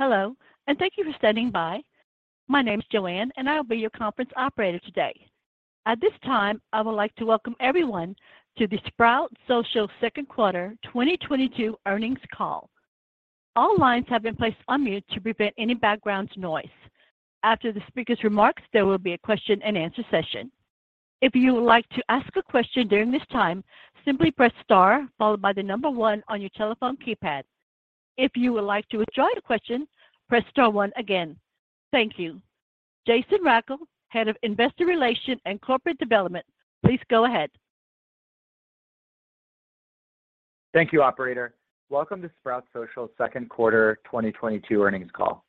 Hello, and thank you for standing by. My name is Joanne, and I will be your conference operator today. At this time, I would like to welcome everyone to the Sprout Social Second Quarter 2022 earnings call. All lines have been placed on mute to prevent any background noise. After the speaker's remarks, there will be a question-and-answer session. If you would like to ask a question during this time, simply press star followed by the number one on your telephone keypad. If you would like to withdraw your question, press star one again. Thank you. Jason Rechel, Head of Investor Relations and Corporate Development, please go ahead. Thank you, operator. Welcome to Sprout Social second quarter 2022 earnings call.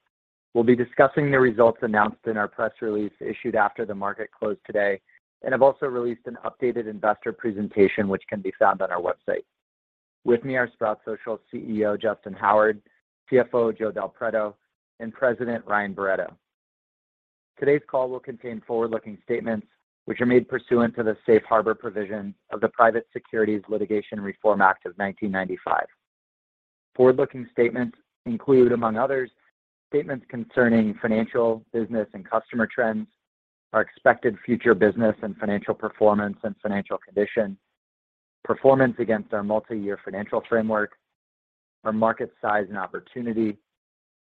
We'll be discussing the results announced in our press release issued after the market closed today, and have also released an updated investor presentation which can be found on our website. With me are Sprout Social CEO, Justyn Howard, CFO, Joe Del Preto, and President, Ryan Barretto. Today's call will contain forward-looking statements which are made pursuant to the Safe Harbor provisions of the Private Securities Litigation Reform Act of 1995. Forward-looking statements include, among others, statements concerning financial, business, and customer trends, our expected future business and financial performance and financial condition, performance against our multi-year financial framework, our market size and opportunity,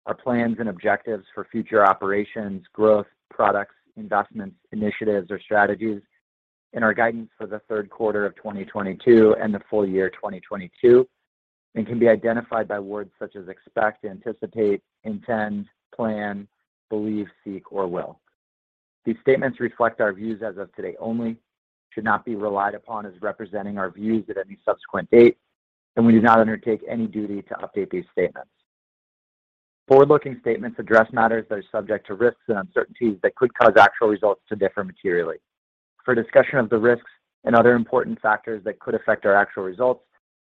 our plans and objectives for future operations, growth, products, investments, initiatives, or strategies, and our guidance for the third quarter of 2022 and the full year 2022, and can be identified by words such as expect, anticipate, intend, plan, believe, seek, or will. These statements reflect our views as of today only, should not be relied upon as representing our views at any subsequent date, and we do not undertake any duty to update these statements. Forward-looking statements address matters that are subject to risks and uncertainties that could cause actual results to differ materially. For a discussion of the risks and other important factors that could affect our actual results,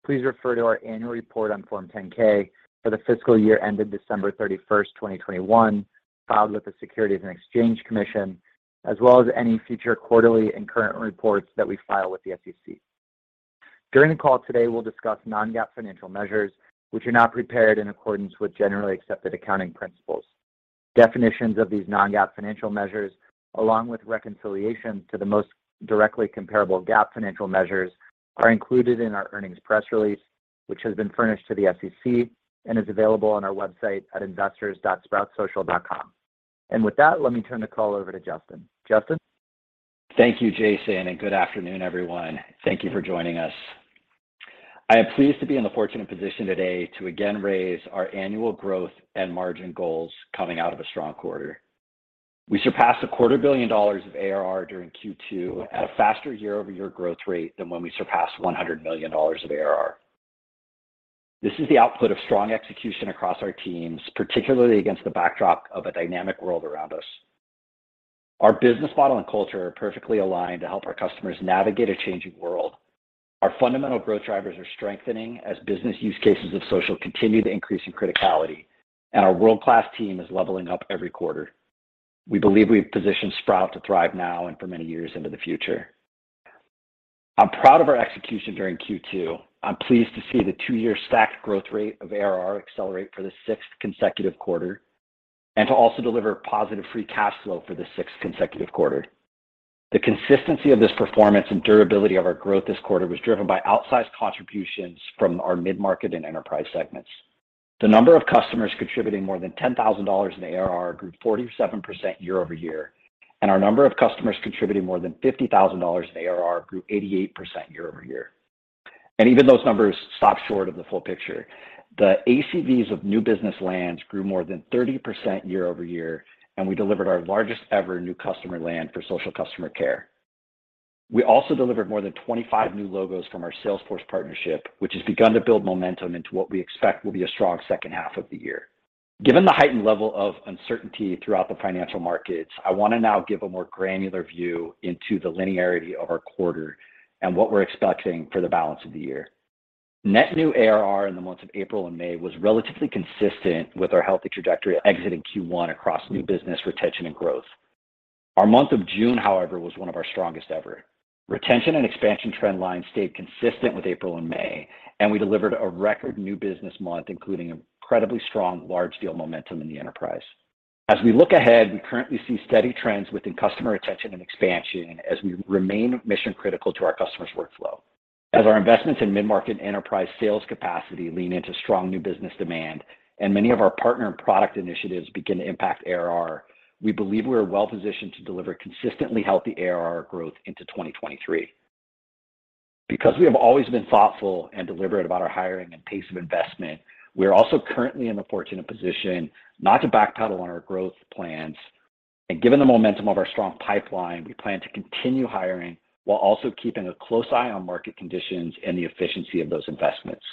please refer to our annual report on Form 10-K for the fiscal year ended December 31, 2021, filed with the Securities and Exchange Commission, as well as any future quarterly and current reports that we file with the SEC. During the call today, we'll discuss non-GAAP financial measures which are not prepared in accordance with generally accepted accounting principles. Definitions of these non-GAAP financial measures, along with reconciliation to the most directly comparable GAAP financial measures, are included in our earnings press release, which has been furnished to the SEC and is available on our website at investors.sproutsocial.com. With that, let me turn the call over to Justyn. Justyn? Thank you, Jason, and good afternoon, everyone. Thank you for joining us. I am pleased to be in the fortunate position today to again raise our annual growth and margin goals coming out of a strong quarter. We surpassed a quarter billion dollars of ARR during Q2 at a faster year-over-year growth rate than when we surpassed $100 million of ARR. This is the output of strong execution across our teams, particularly against the backdrop of a dynamic world around us. Our business model and culture are perfectly aligned to help our customers navigate a changing world. Our fundamental growth drivers are strengthening as business use cases of social continue to increase in criticality, and our world-class team is leveling up every quarter. We believe we've positioned Sprout to thrive now and for many years into the future. I'm proud of our execution during Q2. I'm pleased to see the two-year stacked growth rate of ARR accelerate for the sixth consecutive quarter and to also deliver positive free cash flow for the sixth consecutive quarter. The consistency of this performance and durability of our growth this quarter was driven by outsized contributions from our mid-market and enterprise segments. The number of customers contributing more than $10,000 in ARR grew 47% year-over-year, and our number of customers contributing more than $50,000 in ARR grew 88% year-over-year. Even those numbers stop short of the full picture. The ACVs of new business lands grew more than 30% year-over-year, and we delivered our largest ever new customer land for social customer care. We also delivered more than 25 new logos from our Salesforce partnership, which has begun to build momentum into what we expect will be a strong second half of the year. Given the heightened level of uncertainty throughout the financial markets, I want to now give a more granular view into the linearity of our quarter and what we're expecting for the balance of the year. Net new ARR in the months of April and May was relatively consistent with our healthy trajectory exiting Q1 across new business retention and growth. Our month of June, however, was one of our strongest ever. Retention and expansion trend lines stayed consistent with April and May, and we delivered a record new business month, including incredibly strong large deal momentum in the enterprise. As we look ahead, we currently see steady trends within customer retention and expansion as we remain mission-critical to our customers' workflow. As our investments in mid-market enterprise sales capacity lean into strong new business demand and many of our partner and product initiatives begin to impact ARR, we believe we're well-positioned to deliver consistently healthy ARR growth into 2023. Because we have always been thoughtful and deliberate about our hiring and pace of investment, we're also currently in the fortunate position not to backpedal on our growth plans. Given the momentum of our strong pipeline, we plan to continue hiring while also keeping a close eye on market conditions and the efficiency of those investments.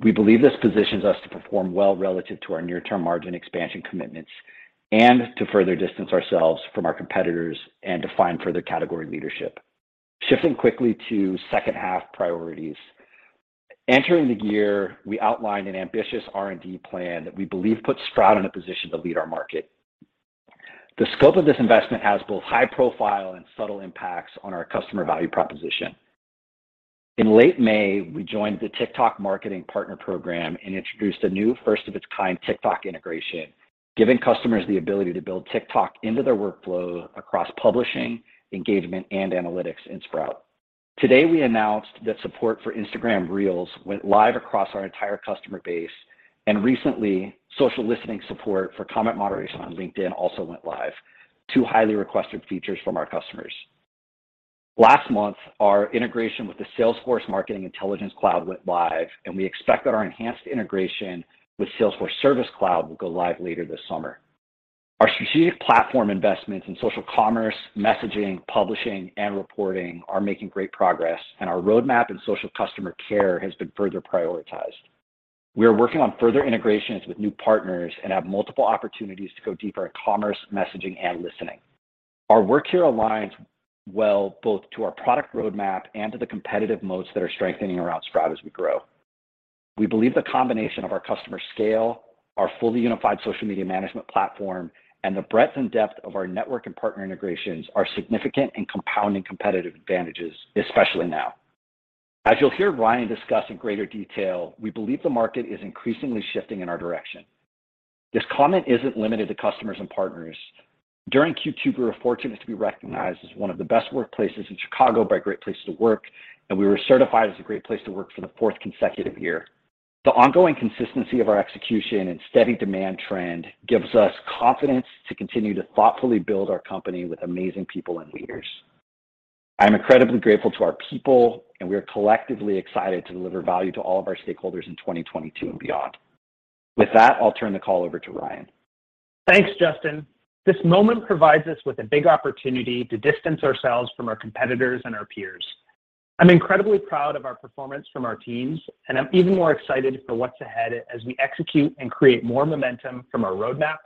We believe this positions us to perform well relative to our near-term margin expansion commitments and to further distance ourselves from our competitors and to find further category leadership. Shifting quickly to second-half priorities. Entering the year, we outlined an ambitious R&D plan that we believe puts Sprout in a position to lead our market. The scope of this investment has both high profile and subtle impacts on our customer value proposition. In late May, we joined the TikTok Marketing Partner Program and introduced a new first of its kind TikTok integration, giving customers the ability to build TikTok into their workflow across publishing, engagement, and analytics in Sprout. Today, we announced that support for Instagram Reels went live across our entire customer base, and recently, social listening support for comment moderation on LinkedIn also went live. Two highly requested features from our customers. Last month, our integration with the Salesforce Marketing Cloud Intelligence went live, and we expect that our enhanced integration with Salesforce Service Cloud will go live later this summer. Our strategic platform investments in social commerce, messaging, publishing, and reporting are making great progress, and our roadmap in social customer care has been further prioritized. We are working on further integrations with new partners and have multiple opportunities to go deeper in commerce, messaging, and listening. Our work here aligns well both to our product roadmap and to the competitive moats that are strengthening around Sprout as we grow. We believe the combination of our customer scale, our fully unified social media management platform, and the breadth and depth of our network and partner integrations are significant and compounding competitive advantages, especially now. As you'll hear Ryan discuss in greater detail, we believe the market is increasingly shifting in our direction. This comment isn't limited to customers and partners. During Q2, we were fortunate to be recognized as one of the best workplaces in Chicago by Great Place to Work, and we were certified as a Great Place to Work for the fourth consecutive year. The ongoing consistency of our execution and steady demand trend gives us confidence to continue to thoughtfully build our company with amazing people and leaders. I'm incredibly grateful to our people, and we are collectively excited to deliver value to all of our stakeholders in 2022 and beyond. With that, I'll turn the call over to Ryan. Thanks, Justyn. This moment provides us with a big opportunity to distance ourselves from our competitors and our peers. I'm incredibly proud of our performance from our teams, and I'm even more excited for what's ahead as we execute and create more momentum from our roadmap,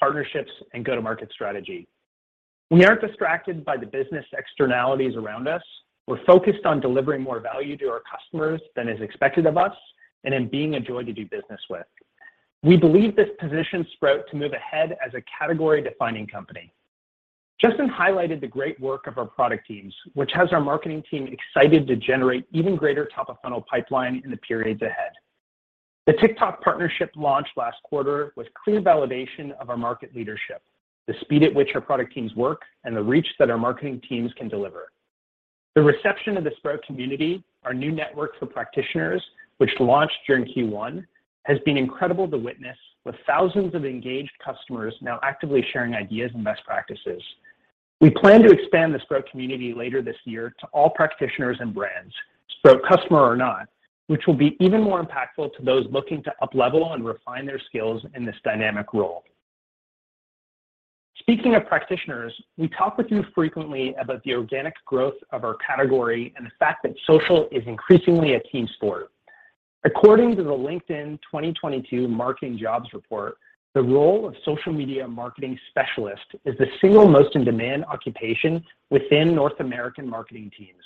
partnerships, and go-to-market strategy. We aren't distracted by the business externalities around us. We're focused on delivering more value to our customers than is expected of us and in being a joy to do business with. We believe this positions Sprout to move ahead as a category-defining company. Justyn highlighted the great work of our product teams, which has our marketing team excited to generate even greater top of funnel pipeline in the periods ahead. The TikTok partnership launch last quarter was clear validation of our market leadership, the speed at which our product teams work, and the reach that our marketing teams can deliver. The reception of the Sprout Community, our new network for practitioners, which launched during Q1, has been incredible to witness with thousands of engaged customers now actively sharing ideas and best practices. We plan to expand the Sprout Community later this year to all practitioners and brands, Sprout customer or not, which will be even more impactful to those looking to uplevel and refine their skills in this dynamic role. Speaking of practitioners, we talk with you frequently about the organic growth of our category and the fact that social is increasingly a team sport. According to the LinkedIn 2022 Marketing Jobs Report, the role of social media marketing specialist is the single most in-demand occupation within North American marketing teams.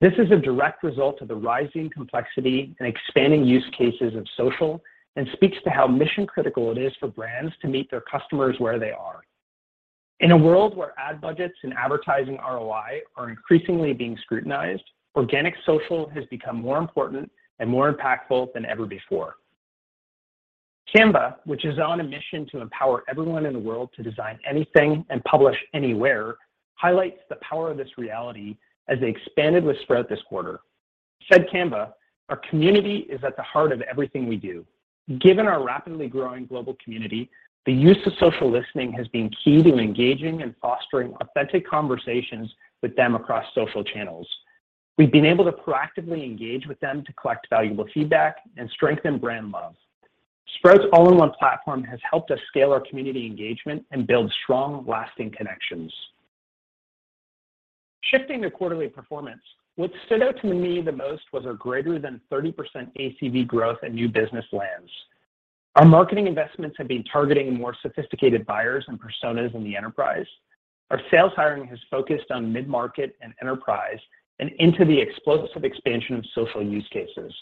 This is a direct result of the rising complexity and expanding use cases of social and speaks to how mission-critical it is for brands to meet their customers where they are. In a world where ad budgets and advertising ROI are increasingly being scrutinized, organic social has become more important and more impactful than ever before. Canva, which is on a mission to empower everyone in the world to design anything and publish anywhere, highlights the power of this reality as they expanded with Sprout this quarter. Said Canva, "Our community is at the heart of everything we do. Given our rapidly growing global community, the use of social listening has been key to engaging and fostering authentic conversations with them across social channels. We've been able to proactively engage with them to collect valuable feedback and strengthen brand love. Sprout's all-in-one platform has helped us scale our community engagement and build strong, lasting connections." Shifting to quarterly performance, what stood out to me the most was our greater than 30% ACV growth and new business lands. Our marketing investments have been targeting more sophisticated buyers and personas in the enterprise. Our sales hiring has focused on mid-market and enterprise and into the explosive expansion of social use cases.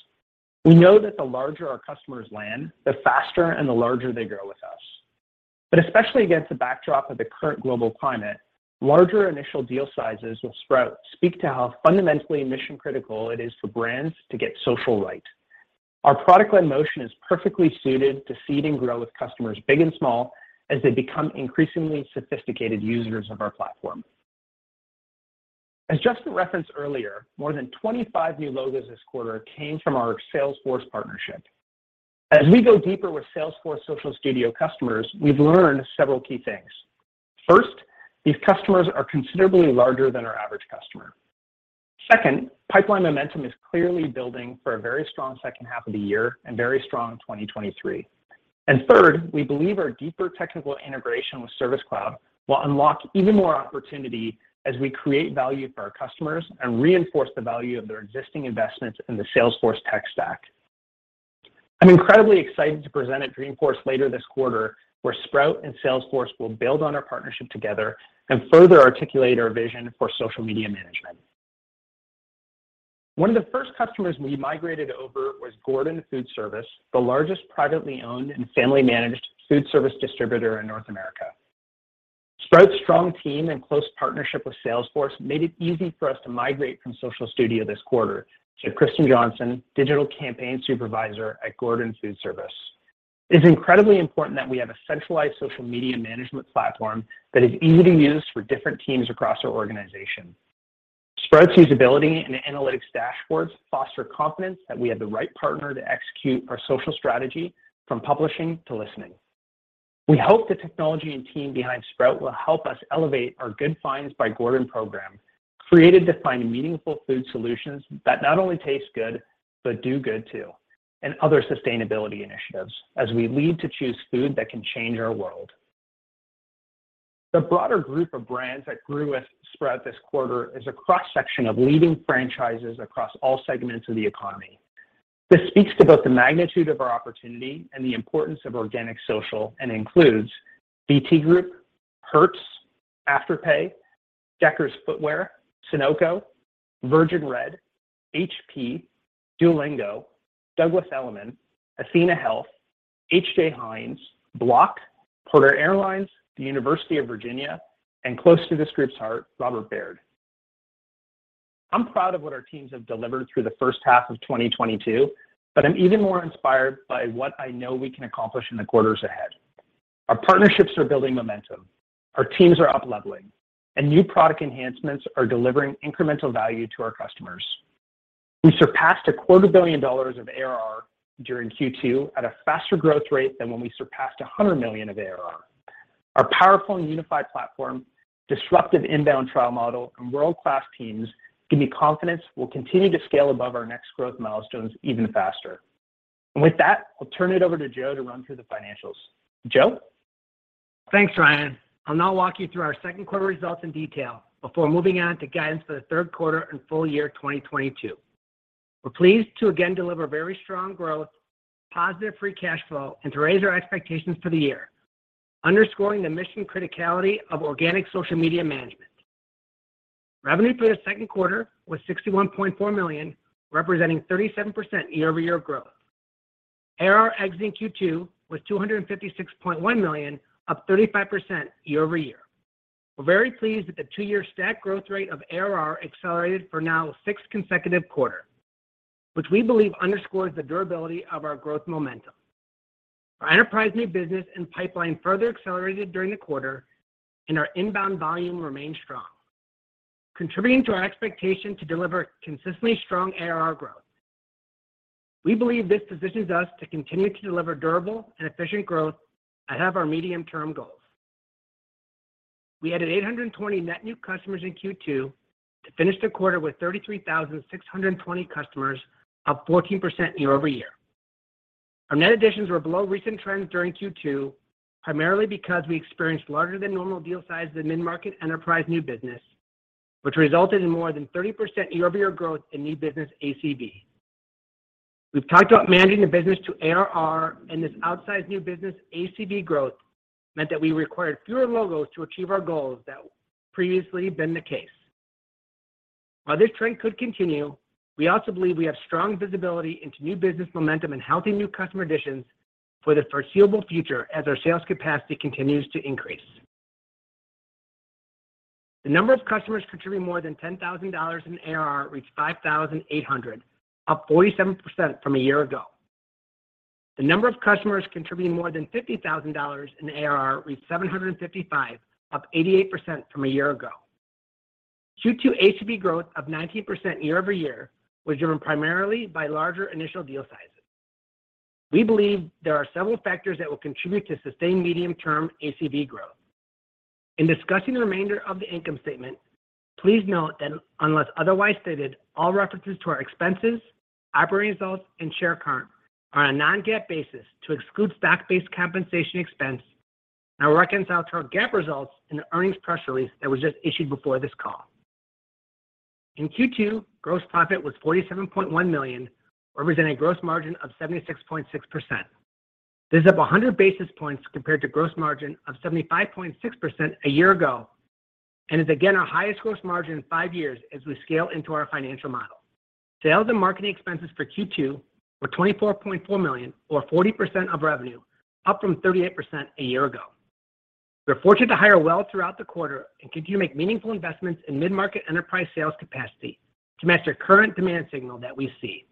We know that the larger our customers land, the faster and the larger they grow with us. Especially against the backdrop of the current global climate, larger initial deal sizes with Sprout speak to how fundamentally mission-critical it is for brands to get social right. Our product-led motion is perfectly suited to seed and grow with customers big and small as they become increasingly sophisticated users of our platform. As Justyn referenced earlier, more than 25 new logos this quarter came from our Salesforce partnership. As we go deeper with Salesforce Social Studio customers, we've learned several key things. First, these customers are considerably larger than our average customer. Second, pipeline momentum is clearly building for a very strong second half of the year and very strong in 2023. Third, we believe our deeper technical integration with Service Cloud will unlock even more opportunity as we create value for our customers and reinforce the value of their existing investments in the Salesforce tech stack. I'm incredibly excited to present at Dreamforce later this quarter, where Sprout and Salesforce will build on our partnership together and further articulate our vision for social media management. One of the first customers we migrated over was Gordon Food Service, the largest privately owned and family-managed food service distributor in North America. "Sprout's strong team and close partnership with Salesforce made it easy for us to migrate from Social Studio this quarter," said Kristin Johnson, Digital Campaign Supervisor at Gordon Food Service. "It is incredibly important that we have a centralized social media management platform that is easy to use for different teams across our organization. Sprout's usability and analytics dashboards foster confidence that we have the right partner to execute our social strategy from publishing to listening. We hope the technology and team behind Sprout will help us elevate our Good Finds by Gordon program, created to find meaningful food solutions that not only taste good but do good too, and other sustainability initiatives as we lead to choose food that can change our world." The broader group of brands that grew with Sprout this quarter is a cross-section of leading franchises across all segments of the economy. This speaks to both the magnitude of our opportunity and the importance of organic social, and includes BT Group, Hertz, Afterpay, Deckers Brands, Sunoco, Virgin Red, HP, Duolingo, Douglas Elliman, athenahealth, H. J. Heinz, Block, Porter Airlines, the University of Virginia, and close to this group's heart, Robert W. Baird. I'm proud of what our teams have delivered through the first half of 2022, but I'm even more inspired by what I know we can accomplish in the quarters ahead. Our partnerships are building momentum. Our teams are upleveling, and new product enhancements are delivering incremental value to our customers. We surpassed a quarter billion dollars of ARR during Q2 at a faster growth rate than when we surpassed $100 million of ARR. Our powerful and unified platform, disruptive inbound trial model, and world-class teams give me confidence we'll continue to scale above our next growth milestones even faster. With that, I'll turn it over to Joe to run through the financials. Joe? Thanks, Ryan. I'll now walk you through our second quarter results in detail before moving on to guidance for the third quarter and full year 2022. We're pleased to again deliver very strong growth, positive free cash flow, and to raise our expectations for the year, underscoring the mission criticality of organic social media management. Revenue for the second quarter was $61.4 million, representing 37% year-over-year growth. ARR exiting Q2 was $256.1 million, up 35% year-over-year. We're very pleased that the two-year stack growth rate of ARR accelerated for now a sixth consecutive quarter, which we believe underscores the durability of our growth momentum. Our enterprise new business and pipeline further accelerated during the quarter and our inbound volume remained strong, contributing to our expectation to deliver consistently strong ARR growth. We believe this positions us to continue to deliver durable and efficient growth and have our medium-term goals. We added 820 net new customers in Q2 to finish the quarter with 33,620 customers, up 14% year-over-year. Our net additions were below recent trends during Q2, primarily because we experienced larger than normal deal sizes in mid-market enterprise new business, which resulted in more than 30% year-over-year growth in new business ACV. We've talked about managing the business to ARR, and this outsized new business ACV growth meant that we required fewer logos to achieve our goals than previously been the case. While this trend could continue, we also believe we have strong visibility into new business momentum and healthy new customer additions for the foreseeable future as our sales capacity continues to increase. The number of customers contributing more than $10,000 in ARR reached 5,800, up 47% from a year ago. The number of customers contributing more than $50,000 in ARR reached 755, up 88% from a year ago. Q2 ACV growth of 19% year-over-year was driven primarily by larger initial deal sizes. We believe there are several factors that will contribute to sustained medium-term ACV growth. In discussing the remainder of the income statement, please note that unless otherwise stated, all references to our expenses, operating results, and share count are on a non-GAAP basis to exclude stock-based compensation expense and are reconciled to our GAAP results in the earnings press release that was just issued before this call. In Q2, gross profit was $47.1 million, representing a gross margin of 76.6%. This is up 100 basis points compared to gross margin of 75.6% a year ago, and is again our highest gross margin in 5 years as we scale into our financial model. Sales and marketing expenses for Q2 were $24.4 million or 40% of revenue, up from 38% a year ago. We're fortunate to hire well throughout the quarter and continue to make meaningful investments in mid-market enterprise sales capacity to match the current demand signal that we see.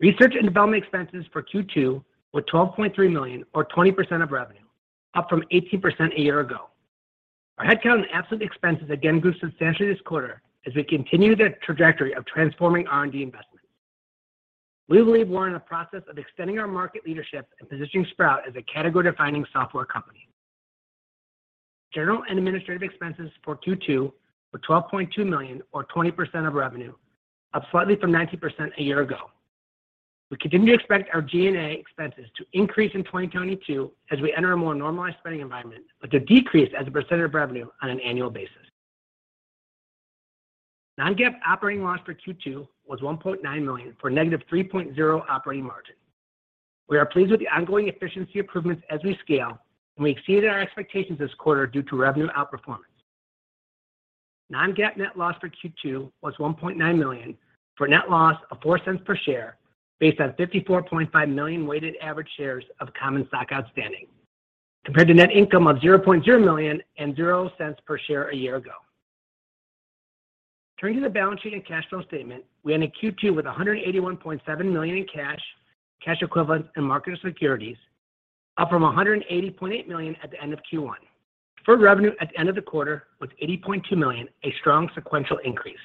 Research and development expenses for Q2 were $12.3 million or 20% of revenue, up from 18% a year ago. Our headcount and absolute expenses again grew substantially this quarter as we continue the trajectory of transforming R&D investments. We believe we're in the process of extending our market leadership and positioning Sprout as a category-defining software company. General and administrative expenses for Q2 were $12.2 million or 20% of revenue, up slightly from 19% a year ago. We continue to expect our G&A expenses to increase in 2022 as we enter a more normalized spending environment, but to decrease as a percentage of revenue on an annual basis. Non-GAAP operating loss for Q2 was $1.9 million for -3.0% operating margin. We are pleased with the ongoing efficiency improvements as we scale, and we exceeded our expectations this quarter due to revenue outperformance. Non-GAAP net loss for Q2 was $1.9 million for a net loss of $0.04 per share based on 54.5 million weighted average shares of common stock outstanding, compared to net income of $0.0 million and $0.00 per share a year ago. Turning to the balance sheet and cash flow statement, we ended Q2 with $181.7 million in cash equivalents, and marketable securities, up from $180.8 million at the end of Q1. Deferred revenue at the end of the quarter was $80.2 million, a strong sequential increase.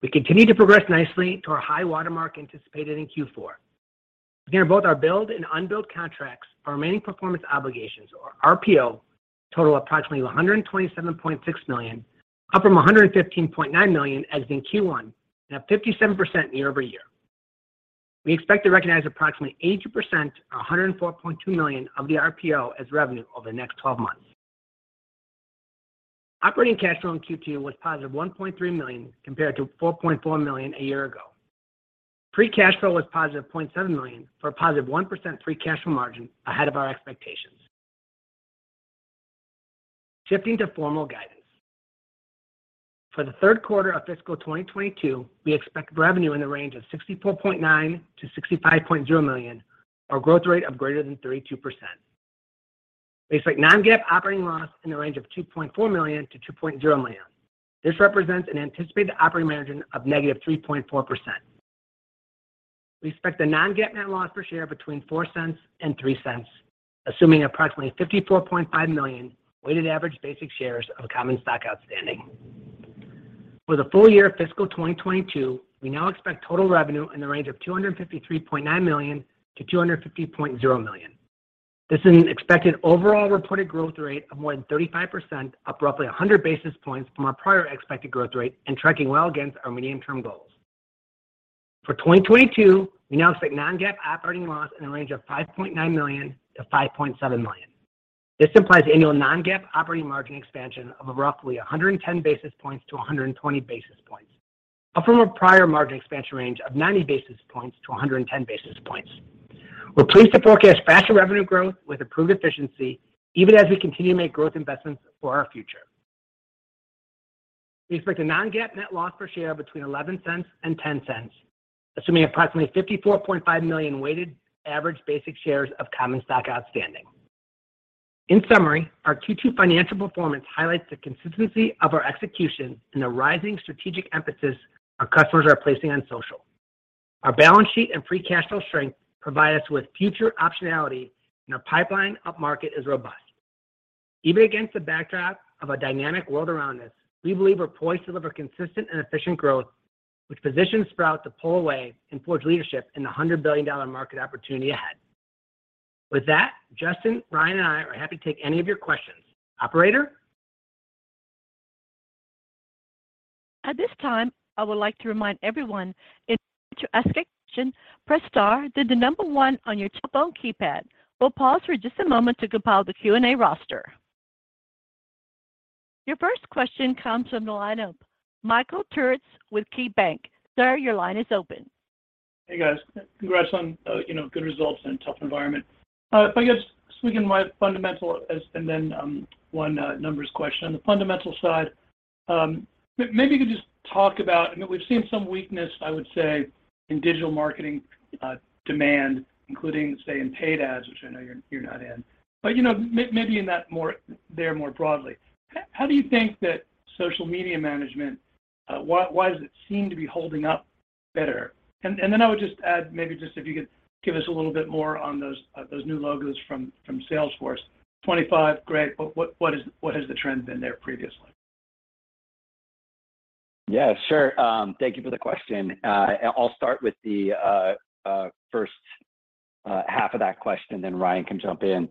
We continue to progress nicely to our high water mark anticipated in Q4. Between both our billed and unbilled contracts, our remaining performance obligations, or RPO, total approximately $127.6 million, up from $115.9 million as of Q1, and up 57% year-over-year. We expect to recognize approximately 80%, or $104.2 million, of the RPO as revenue over the next twelve months. Operating cash flow in Q2 was positive $1.3 million compared to $4.4 million a year ago. Free cash flow was positive $0.7 million for a positive 1% free cash flow margin ahead of our expectations. Shifting to formal guidance. For the third quarter of fiscal 2022, we expect revenue in the range of $64.9 million-$65.0 million, or a growth rate of greater than 32%. We expect non-GAAP operating loss in the range of $2.4 million-$2.0 million. This represents an anticipated operating margin of negative 3.4%. We expect a non-GAAP net loss per share between $0.04 and $0.03, assuming approximately 54.5 million weighted average basic shares of common stock outstanding. For the full year of fiscal 2022, we now expect total revenue in the range of $253.9 million-$250.0 million. This is an expected overall reported growth rate of more than 35%, up roughly 100 basis points from our prior expected growth rate and tracking well against our medium-term goals. For 2022, we now expect non-GAAP operating loss in the range of $5.9 million-$5.7 million. This implies annual non-GAAP operating margin expansion of roughly 110 basis points-120 basis points, up from a prior margin expansion range of 90 basis points-110 basis points. We're pleased to forecast faster revenue growth with improved efficiency, even as we continue to make growth investments for our future. We expect a non-GAAP net loss per share between $0.11 and $0.10, assuming approximately 54.5 million weighted average basic shares of common stock outstanding. In summary, our Q2 financial performance highlights the consistency of our execution and the rising strategic emphasis our customers are placing on social. Our balance sheet and free cash flow strength provide us with future optionality, and our pipeline up-market is robust. Even against the backdrop of a dynamic world around us, we believe we're poised to deliver consistent and efficient growth, which positions Sprout to pull away and forge leadership in the $100 billion market opportunity ahead. With that, Justyn, Ryan, and I are happy to take any of your questions. Operator? At this time, I would like to remind everyone to ask a question, press star, then the number one on your telephone keypad. We'll pause for just a moment to compile the Q&A roster. Your first question comes from the line of Michael Turits with KeyBanc. Sir, your line is open. Hey, guys. Congrats on, you know, good results in a tough environment. If I could just speak on my fundamental and then, one numbers question. On the fundamental side, maybe you could just talk about, you know, we've seen some weakness, I would say, in digital marketing demand, including, say, in paid ads, which I know you're not in. But, you know, maybe more broadly. How do you think that social media management, why does it seem to be holding up better? And then I would just add maybe just if you could give us a little bit more on those new logos from Salesforce. 25, great, but what is, what has the trend been there previously? Yeah, sure. Thank you for the question. I'll start with the first half of that question, then Ryan can jump in.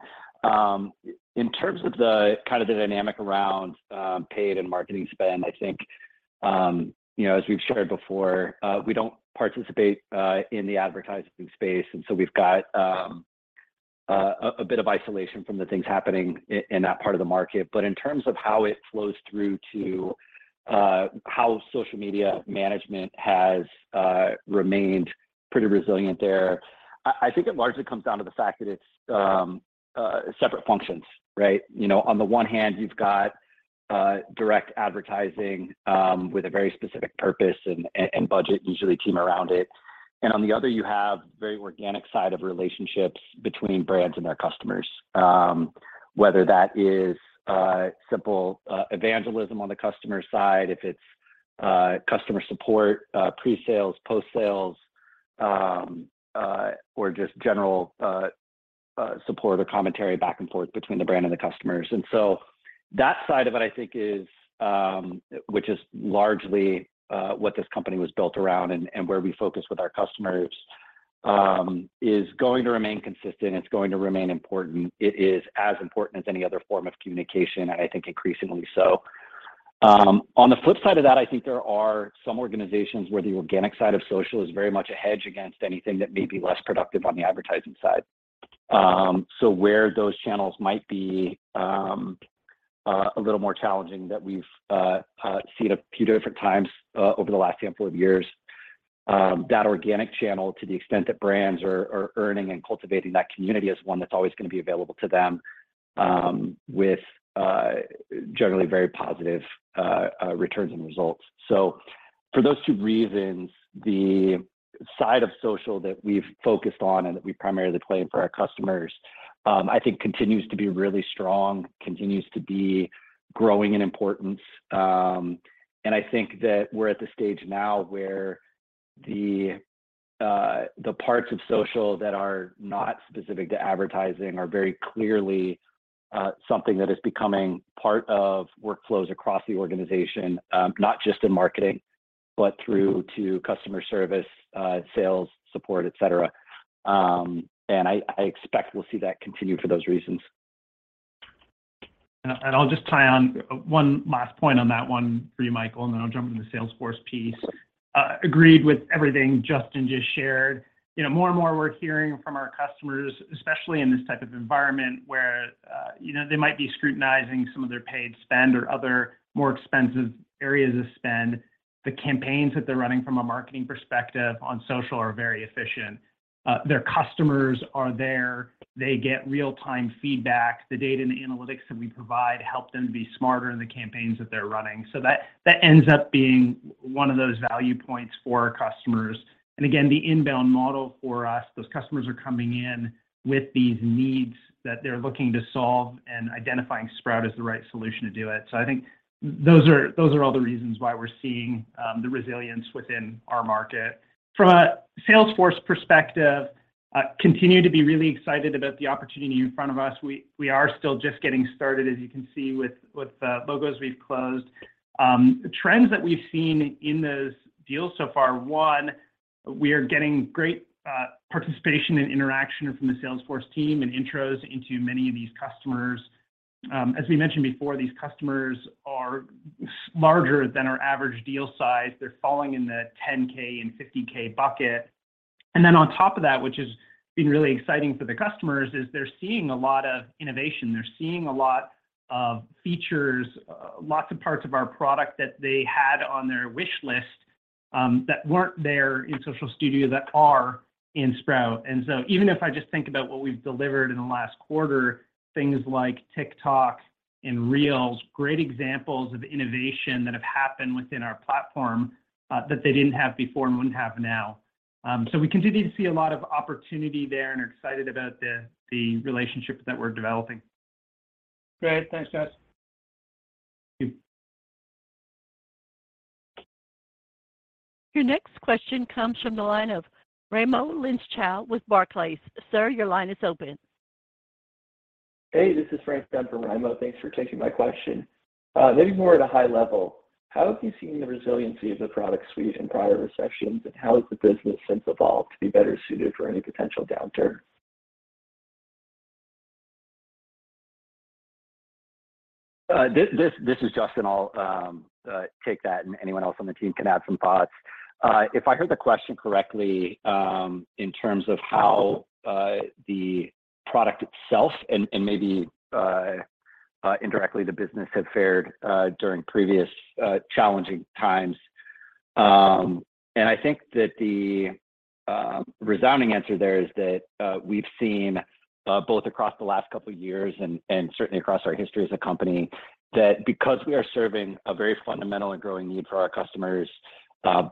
In terms of the kind of the dynamic around paid and marketing spend, I think you know, as we've shared before, we don't participate in the advertising space, and so we've got a bit of isolation from the things happening in that part of the market. In terms of how it flows through to how social media management has remained pretty resilient there, I think it largely comes down to the fact that it's separate functions, right? You know, on the one hand, you've got direct advertising with a very specific purpose and budget, usually team around it. On the other, you have the very organic side of relationships between brands and their customers. Whether that is simple evangelism on the customer side, if it's customer support, pre-sales, post-sales, or just general support or commentary back and forth between the brand and the customers. That side of it, I think, is which is largely what this company was built around and where we focus with our customers, is going to remain consistent. It's going to remain important. It is as important as any other form of communication, and I think increasingly so. On the flip side of that, I think there are some organizations where the organic side of social is very much a hedge against anything that may be less productive on the advertising side. Where those channels might be a little more challenging than we've seen a few different times over the last handful of years, that organic channel to the extent that brands are earning and cultivating that community is one that's always gonna be available to them with generally very positive returns and results. For those two reasons, the side of social that we've focused on and that we primarily claim for our customers, I think continues to be really strong, continues to be growing in importance. I think that we're at the stage now where the parts of social that are not specific to advertising are very clearly something that is becoming part of workflows across the organization, not just in marketing, but through to customer service, sales support, et cetera. I expect we'll see that continue for those reasons. I'll just tie on one last point on that one for you, Michael, and then I'll jump into the Salesforce piece. Agreed with everything Justyn just shared. You know, more and more we're hearing from our customers, especially in this type of environment where, you know, they might be scrutinizing some of their paid spend or other more expensive areas of spend. The campaigns that they're running from a marketing perspective on social are very efficient. Their customers are there. They get real-time feedback. The data and the analytics that we provide help them to be smarter in the campaigns that they're running. That ends up being one of those value points for our customers. Again, the inbound model for us, those customers are coming in with these needs that they're looking to solve and identifying Sprout as the right solution to do it. I think those are all the reasons why we're seeing the resilience within our market. From a Salesforce perspective, continue to be really excited about the opportunity in front of us. We are still just getting started, as you can see with logos we've closed. Trends that we've seen in those deals so far, one, we are getting great participation and interaction from the Salesforce team and intros into many of these customers. As we mentioned before, these customers are larger than our average deal size. They're falling in the $10K and $50K bucket. On top of that, which has been really exciting for the customers, is they're seeing a lot of innovation. They're seeing a lot of features, lots of parts of our product that they had on their wish list, that weren't there in Social Studio that are in Sprout. Even if I just think about what we've delivered in the last quarter, things like TikTok and Reels, great examples of innovation that have happened within our platform, that they didn't have before and wouldn't have now. We continue to see a lot of opportunity there and are excited about the relationships that we're developing. Great. Thanks, guys. Thank you. Your next question comes from the line of Raimo Lenschow with Barclays. Sir, your line is open. Hey, this is Frank for Raimo. Thanks for taking my question. Maybe more at a high level, how have you seen the resiliency of the product suite in prior recessions, and how has the business since evolved to be better suited for any potential downturn? This is Justyn. I'll take that, and anyone else on the team can add some thoughts. If I heard the question correctly, in terms of how the product itself and maybe indirectly the business had fared during previous challenging times. I think that the resounding answer there is that we've seen both across the last couple years and certainly across our history as a company, that because we are serving a very fundamental and growing need for our customers,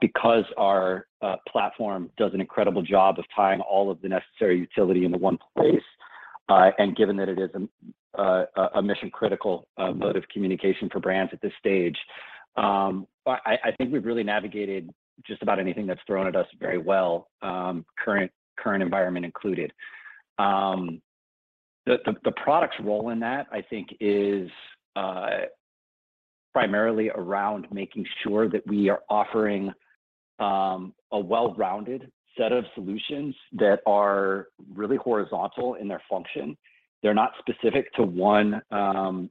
because our platform does an incredible job of tying all of the necessary utility into one place, and given that it is a mission-critical mode of communication for brands at this stage, I think we've really navigated just about anything that's thrown at us very well, current environment included. The product's role in that, I think, is primarily around making sure that we are offering a well-rounded set of solutions that are really horizontal in their function. They're not specific to one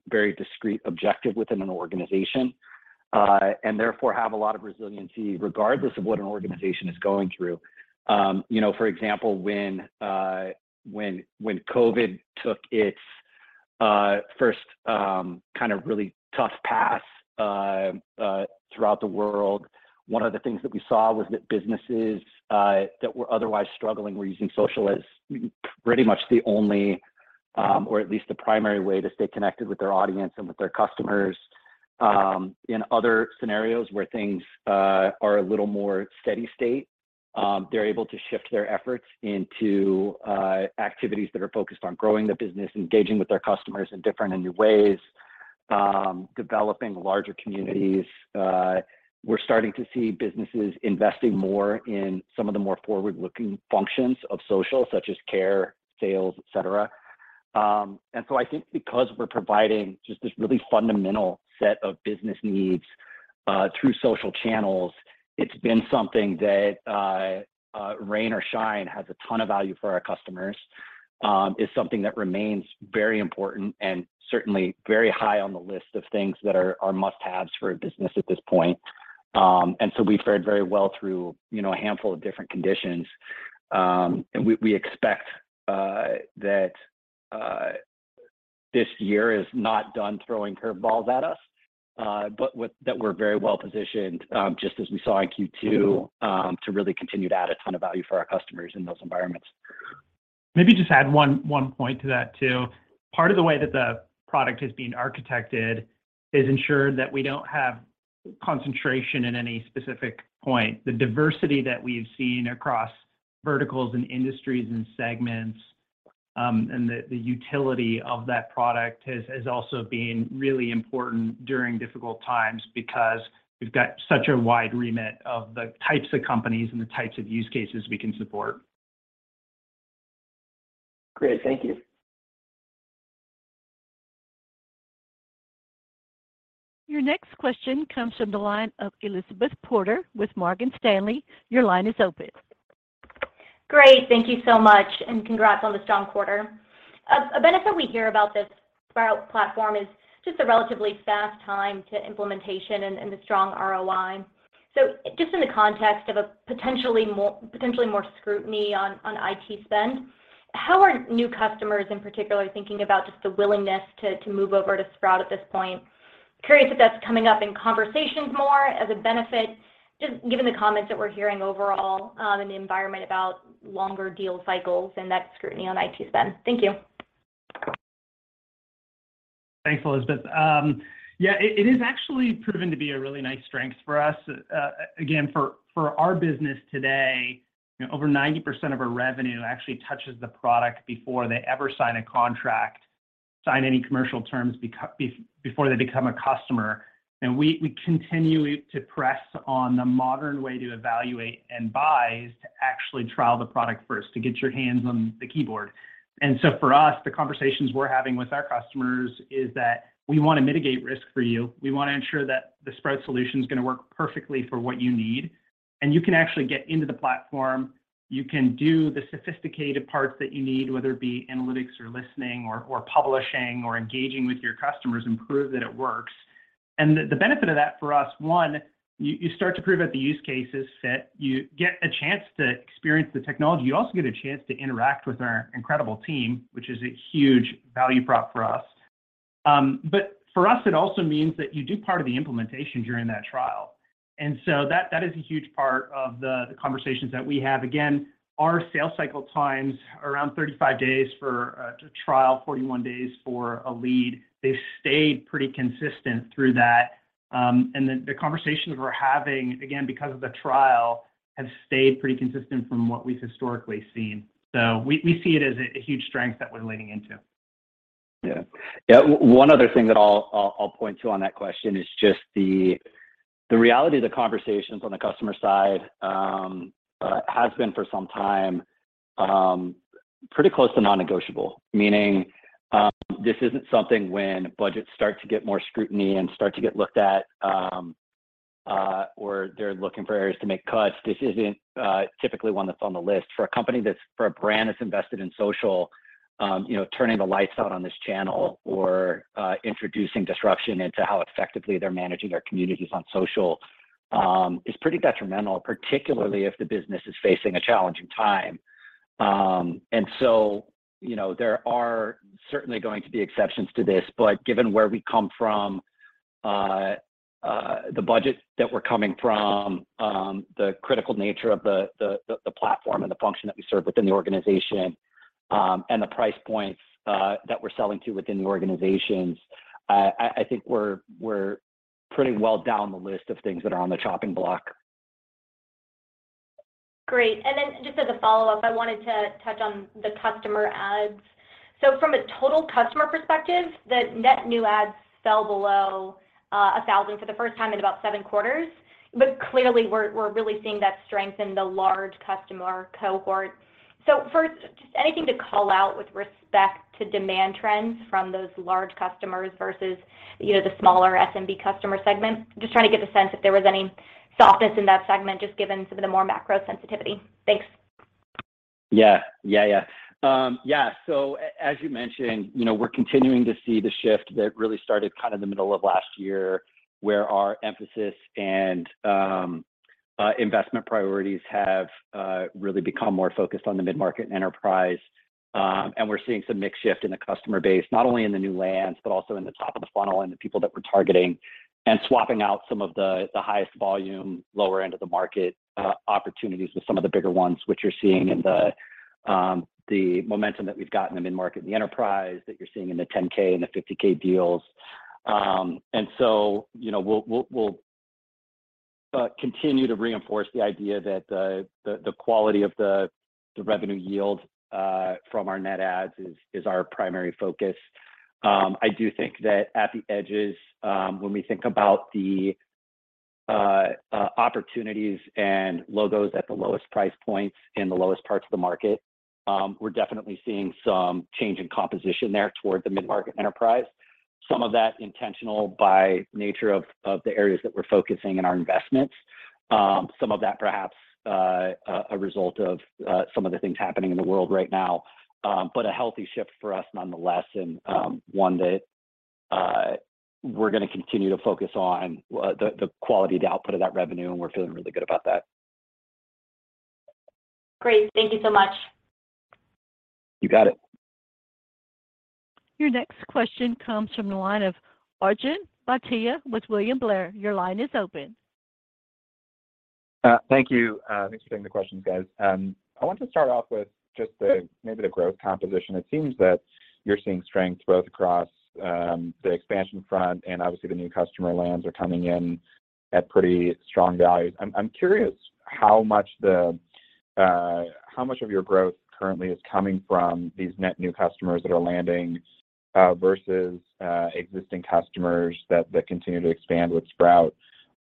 very discrete objective within an organization and therefore have a lot of resiliency regardless of what an organization is going through. You know, for example, when COVID took its first kind of really tough pass throughout the world, one of the things that we saw was that businesses that were otherwise struggling were using social as pretty much the only or at least the primary way to stay connected with their audience and with their customers. In other scenarios where things are a little more steady state, they're able to shift their efforts into activities that are focused on growing the business, engaging with their customers in different and new ways, developing larger communities. We're starting to see businesses investing more in some of the more forward-looking functions of social, such as care, sales, et cetera. I think because we're providing just this really fundamental set of business needs through social channels, it's been something that rain or shine has a ton of value for our customers, is something that remains very important and certainly very high on the list of things that are must-haves for a business at this point. We've fared very well through, you know, a handful of different conditions. We expect that this year is not done throwing curve balls at us. We're very well-positioned, just as we saw in Q2, to really continue to add a ton of value for our customers in those environments. Maybe just add one point to that too. Part of the way that the product is being architected is ensured that we don't have concentration in any specific point. The diversity that we've seen across verticals and industries and segments, and the utility of that product has also been really important during difficult times because we've got such a wide remit of the types of companies and the types of use cases we can support. Great. Thank you. Your next question comes from the line of Elizabeth Porter with Morgan Stanley. Your line is open. Great. Thank you so much, and congrats on the strong quarter. A benefit we hear about the Sprout platform is just a relatively fast time to implementation and the strong ROI. Just in the context of a potentially more scrutiny on IT spend, how are new customers in particular thinking about just the willingness to move over to Sprout at this point? Curious if that's coming up in conversations more as a benefit, just given the comments that we're hearing overall in the environment about longer deal cycles and that scrutiny on IT spend. Thank you. Thanks, Elizabeth. Yeah, it is actually proven to be a really nice strength for us. Again, for our business today, over 90% of our revenue actually touches the product before they ever sign a contract, any commercial terms before they become a customer. We continue to press on the modern way to evaluate and buy is to actually trial the product first, to get your hands on the keyboard. For us, the conversations we're having with our customers is that we wanna mitigate risk for you. We wanna ensure that the Sprout solution is gonna work perfectly for what you need. You can actually get into the platform, you can do the sophisticated parts that you need, whether it be analytics or listening or publishing or engaging with your customers and prove that it works. The benefit of that for us, one, you start to prove that the use case is fit. You get a chance to experience the technology. You also get a chance to interact with our incredible team, which is a huge value prop for us. But for us, it also means that you do part of the implementation during that trial. That is a huge part of the conversations that we have. Again, our sales cycle times around 35 days to trial, 41 days for a lead. They've stayed pretty consistent through that. The conversations we're having, again, because of the trial, have stayed pretty consistent from what we've historically seen. We see it as a huge strength that we're leaning into. One other thing that I'll point to on that question is just the reality of the conversations on the customer side has been for some time pretty close to non-negotiable. Meaning, this isn't something when budgets start to get more scrutiny and start to get looked at or they're looking for areas to make cuts. This isn't typically one that's on the list. For a brand that's invested in social, you know, turning the lights out on this channel or introducing disruption into how effectively they're managing their communities on social is pretty detrimental, particularly if the business is facing a challenging time. You know, there are certainly going to be exceptions to this. Given where we come from, the budget that we're coming from, the critical nature of the platform and the function that we serve within the organization, and the price points that we're selling to within the organizations, I think we're pretty well down the list of things that are on the chopping block. Great. Just as a follow-up, I wanted to touch on the customer adds. From a total customer perspective, the net new adds fell below 1,000 for the first time in about 7 quarters. Clearly, we're really seeing that strength in the large customer cohort. First, just anything to call out with respect to demand trends from those large customers versus, you know, the smaller SMB customer segment. Just trying to get the sense if there was any softness in that segment, just given some of the more macro sensitivity. Thanks. Yeah. As you mentioned, you know, we're continuing to see the shift that really started kind of in the middle of last year, where our emphasis and investment priorities have really become more focused on the mid-market enterprise. We're seeing some mix shift in the customer base, not only in the new lands, but also in the top of the funnel and the people that we're targeting, and swapping out some of the highest volume, lower end of the market opportunities with some of the bigger ones, which you're seeing in the momentum that we've got in the mid-market and the enterprise that you're seeing in the $10K and the $50K deals. you know, we'll continue to reinforce the idea that the quality of the revenue yield from our net adds is our primary focus. I do think that at the edges, when we think about the opportunities and logos at the lowest price points in the lowest parts of the market, we're definitely seeing some change in composition there toward the mid-market enterprise. Some of that intentional by nature of the areas that we're focusing in our investments, some of that perhaps a result of some of the things happening in the world right now. a healthy shift for us nonetheless, and one that we're gonna continue to focus on the quality, the output of that revenue, and we're feeling really good about that. Great. Thank you so much. You got it. Your next question comes from the line of Arjun Bhatia with William Blair. Your line is open. Thank you. Thanks for taking the questions, guys. I want to start off with just the, maybe the growth composition. It seems that you're seeing strength both across the expansion front and obviously the new customer lands are coming in at pretty strong values. I'm curious how much of your growth currently is coming from these net new customers that are landing versus existing customers that continue to expand with Sprout.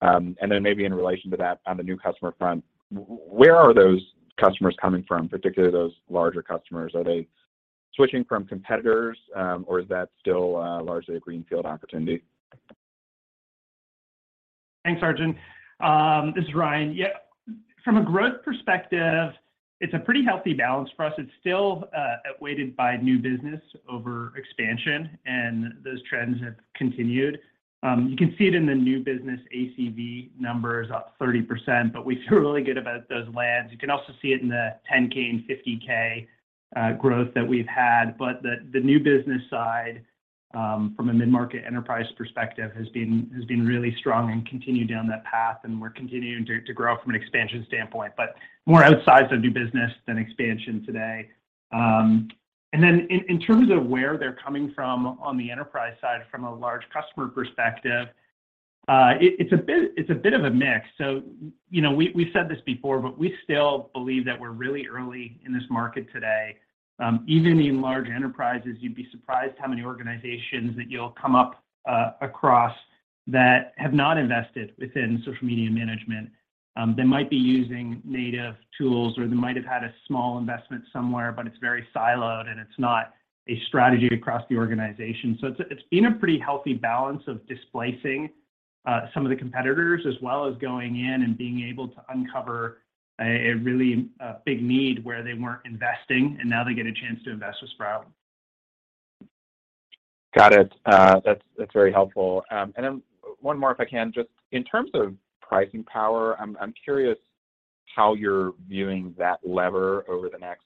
And then maybe in relation to that, on the new customer front, where are those customers coming from, particularly those larger customers? Are they switching from competitors, or is that still largely a greenfield opportunity? Thanks, Arjun. This is Ryan. Yeah, from a growth perspective, it's a pretty healthy balance for us. It's still weighted by new business over expansion, and those trends have continued. You can see it in the new business ACV numbers, up 30%, but we feel really good about those lands. You can also see it in the 10-K and 50-K growth that we've had. The new business side, from a mid-market enterprise perspective has been really strong and continued down that path, and we're continuing to grow from an expansion standpoint, but more outsized of new business than expansion today. In terms of where they're coming from on the enterprise side from a large customer perspective, it's a bit of a mix. You know, we've said this before, but we still believe that we're really early in this market today. Even in large enterprises, you'd be surprised how many organizations that you'll come across that have not invested within social media management. They might be using native tools or they might have had a small investment somewhere, but it's very siloed and it's not a strategy across the organization. It's been a pretty healthy balance of displacing some of the competitors, as well as going in and being able to uncover a really big need where they weren't investing, and now they get a chance to invest with Sprout. Got it. That's very helpful. Then one more, if I can. Just in terms of pricing power, I'm curious how you're viewing that lever over the next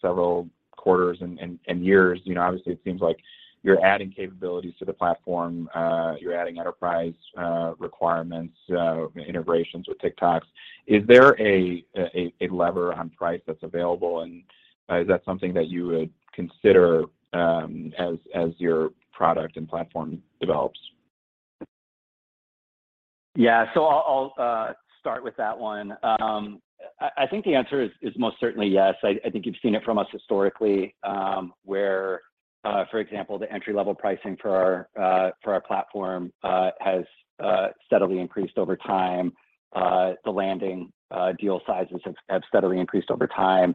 several quarters and years. You know, obviously it seems like you're adding capabilities to the platform, you're adding enterprise requirements, integrations with TikTok. Is there a lever on price that's available? Is that something that you would consider, as your product and platform develops? Yeah. I'll start with that one. I think the answer is most certainly yes. I think you've seen it from us historically, where, for example, the entry-level pricing for our platform has steadily increased over time. The landing deal sizes have steadily increased over time.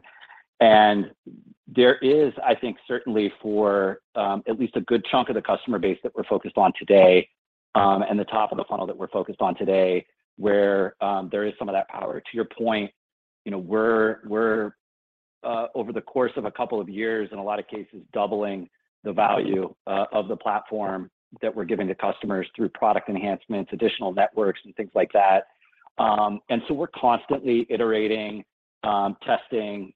There is, I think, certainly for at least a good chunk of the customer base that we're focused on today, and the top of the funnel that we're focused on today, where there is some of that power. To your point, you know, we're over the course of a couple of years, in a lot of cases, doubling the value of the platform that we're giving to customers through product enhancements, additional networks, and things like that. We're constantly iterating, testing,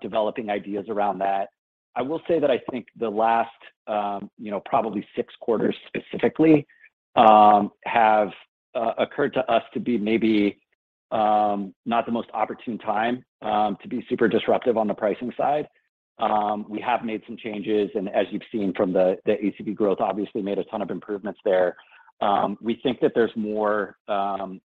developing ideas around that. I will say that I think the last, you know, probably 6 quarters specifically have occurred to us to be maybe not the most opportune time to be super disruptive on the pricing side. We have made some changes, and as you've seen from the ACV growth, obviously made a ton of improvements there. We think that there's more,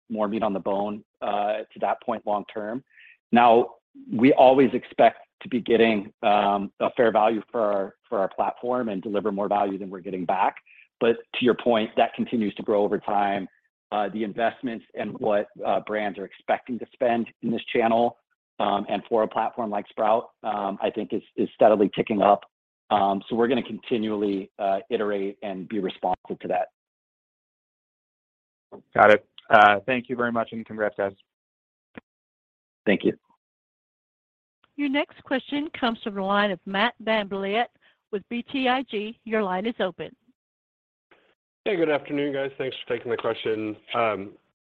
more meat on the bone to that point long term. Now, we always expect to be getting a fair value for our platform and deliver more value than we're getting back. To your point, that continues to grow over time. The investments and what brands are expecting to spend in this channel, and for a platform like Sprout, I think is steadily ticking up. We're gonna continually iterate and be responsive to that. Got it. Thank you very much, and congrats guys. Thank you. Your next question comes from the line of Matt VanVliet with BTIG. Your line is open. Hey, good afternoon, guys. Thanks for taking the question.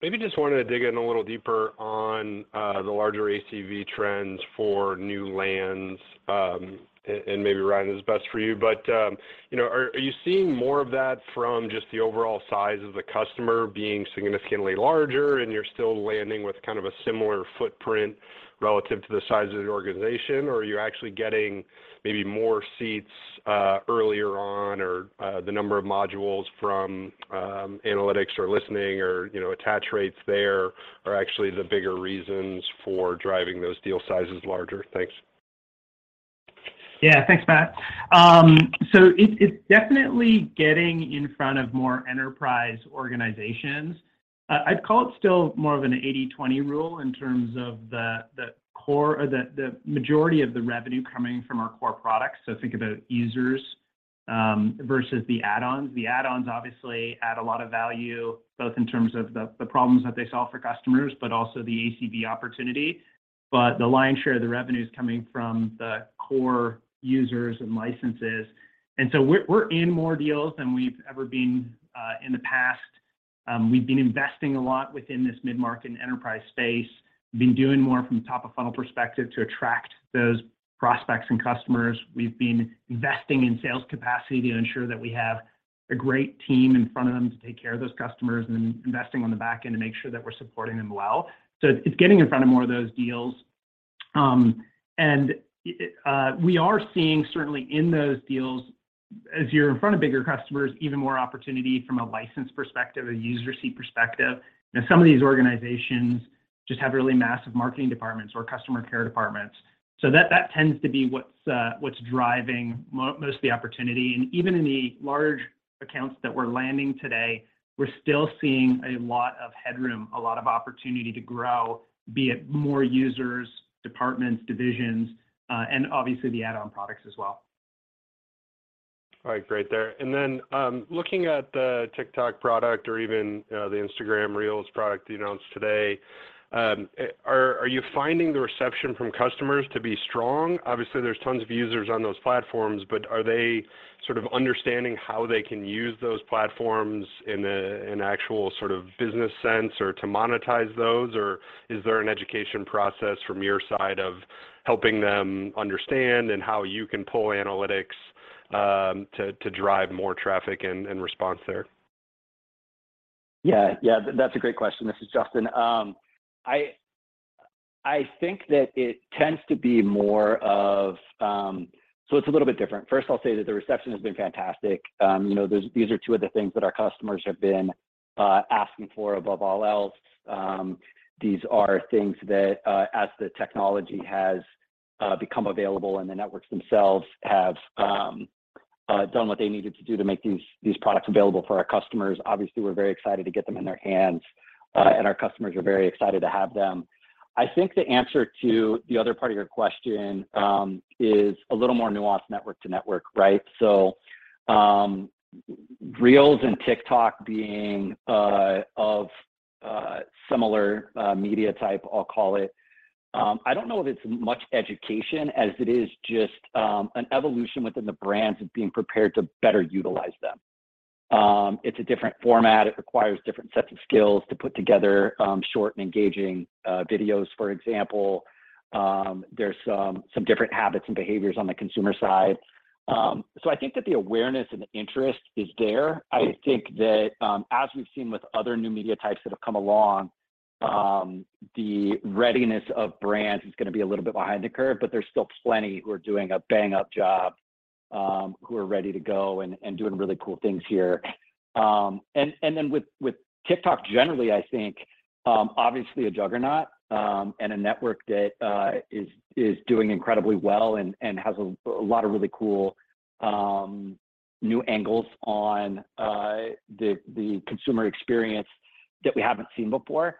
Maybe just wanted to dig in a little deeper on the larger ACV trends for new lands. And maybe Ryan is best for you. You know, are you seeing more of that from just the overall size of the customer being significantly larger and you're still landing with kind of a similar footprint relative to the size of the organization? Or are you actually getting maybe more seats earlier on or the number of modules from analytics or listening or, you know, attach rates there are actually the bigger reasons for driving those deal sizes larger? Thanks. Yeah. Thanks, Matt. It's definitely getting in front of more enterprise organizations. I'd call it still more of an 80/20 rule in terms of the core or the majority of the revenue coming from our core products, so think about users versus the add-ons. The add-ons obviously add a lot of value, both in terms of the problems that they solve for customers, but also the ACV opportunity. The lion's share of the revenue is coming from the core users and licenses. We're in more deals than we've ever been in the past. We've been investing a lot within this mid-market and enterprise space. We've been doing more from top of funnel perspective to attract those prospects and customers. We've been investing in sales capacity to ensure that we have a great team in front of them to take care of those customers and investing on the back end to make sure that we're supporting them well. It's getting in front of more of those deals. We are seeing certainly in those deals, as you're in front of bigger customers, even more opportunity from a license perspective, a user seat perspective. You know, some of these organizations just have really massive marketing departments or customer care departments. That tends to be what's driving most of the opportunity. Even in the large accounts that we're landing today, we're still seeing a lot of headroom, a lot of opportunity to grow, be it more users, departments, divisions, and obviously the add-on products as well. All right. Great there. Looking at the TikTok product or even the Instagram Reels product you announced today, are you finding the reception from customers to be strong? Obviously, there's tons of users on those platforms, but are they sort of understanding how they can use those platforms in an actual sort of business sense or to monetize those? Or is there an education process from your side of helping them understand and how you can pull analytics to drive more traffic and response there? Yeah. Yeah. That's a great question. This is Justyn. I think that it tends to be more of. It's a little bit different. First, I'll say that the reception has been fantastic. You know, these are two of the things that our customers have been asking for above all else. These are things that, as the technology has become available and the networks themselves have done what they needed to do to make these products available for our customers, obviously we're very excited to get them in their hands, and our customers are very excited to have them. I think the answer to the other part of your question is a little more nuanced network to network, right? Reels and TikTok being of similar media type, I'll call it, I don't know if it's much education as it is just an evolution within the brands of being prepared to better utilize them. It's a different format. It requires different sets of skills to put together short and engaging videos, for example. There's some different habits and behaviors on the consumer side. I think that the awareness and interest is there. I think that as we've seen with other new media types that have come along, the readiness of brands is gonna be a little bit behind the curve, but there's still plenty who are doing a bang-up job who are ready to go and doing really cool things here. Then with TikTok generally, I think obviously a juggernaut and a network that is doing incredibly well and has a lot of really cool new angles on the consumer experience that we haven't seen before.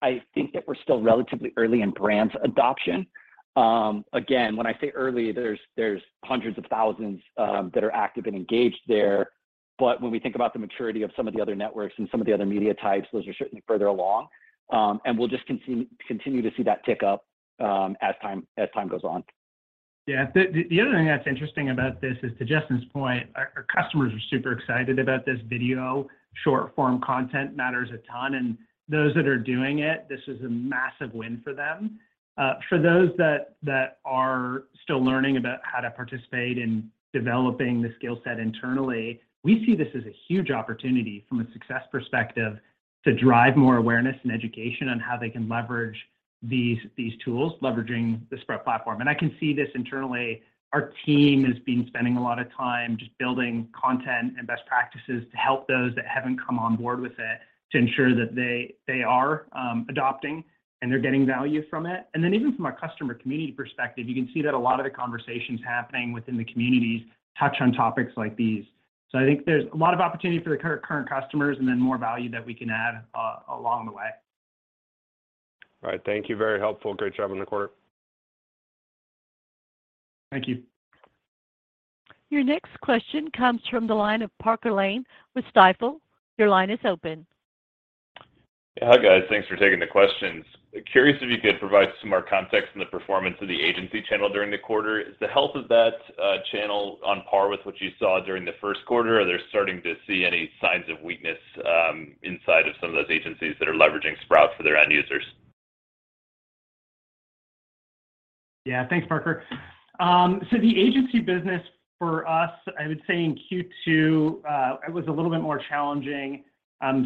I think that we're still relatively early in brands adoption. Again, when I say early, there's hundreds of thousands that are active and engaged there. When we think about the maturity of some of the other networks and some of the other media types, those are certainly further along. We'll just continue to see that tick up as time goes on. Yeah. The other thing that's interesting about this is, to Justyn's point, our customers are super excited about this video. Short form content matters a ton, and those that are doing it, this is a massive win for them. For those that are still learning about how to participate in developing the skill set internally, we see this as a huge opportunity from a success perspective to drive more awareness and education on how they can leverage these tools, leveraging the Sprout platform. I can see this internally. Our team has been spending a lot of time just building content and best practices to help those that haven't come on board with it to ensure that they are adopting and they're getting value from it. Even from a customer community perspective, you can see that a lot of the conversations happening within the communities touch on topics like these. I think there's a lot of opportunity for the current customers and then more value that we can add along the way. All right. Thank you. Very helpful. Great job on the quarter. Thank you. Your next question comes from the line of Parker Lane with Stifel. Your line is open. Yeah. Hi, guys. Thanks for taking the questions. Curious if you could provide some more context on the performance of the agency channel during the quarter. Is the health of that channel on par with what you saw during the first quarter? Are they starting to see any signs of weakness inside of some of those agencies that are leveraging Sprout for their end users? Yeah. Thanks, Parker. So the agency business for us, I would say in Q2, it was a little bit more challenging.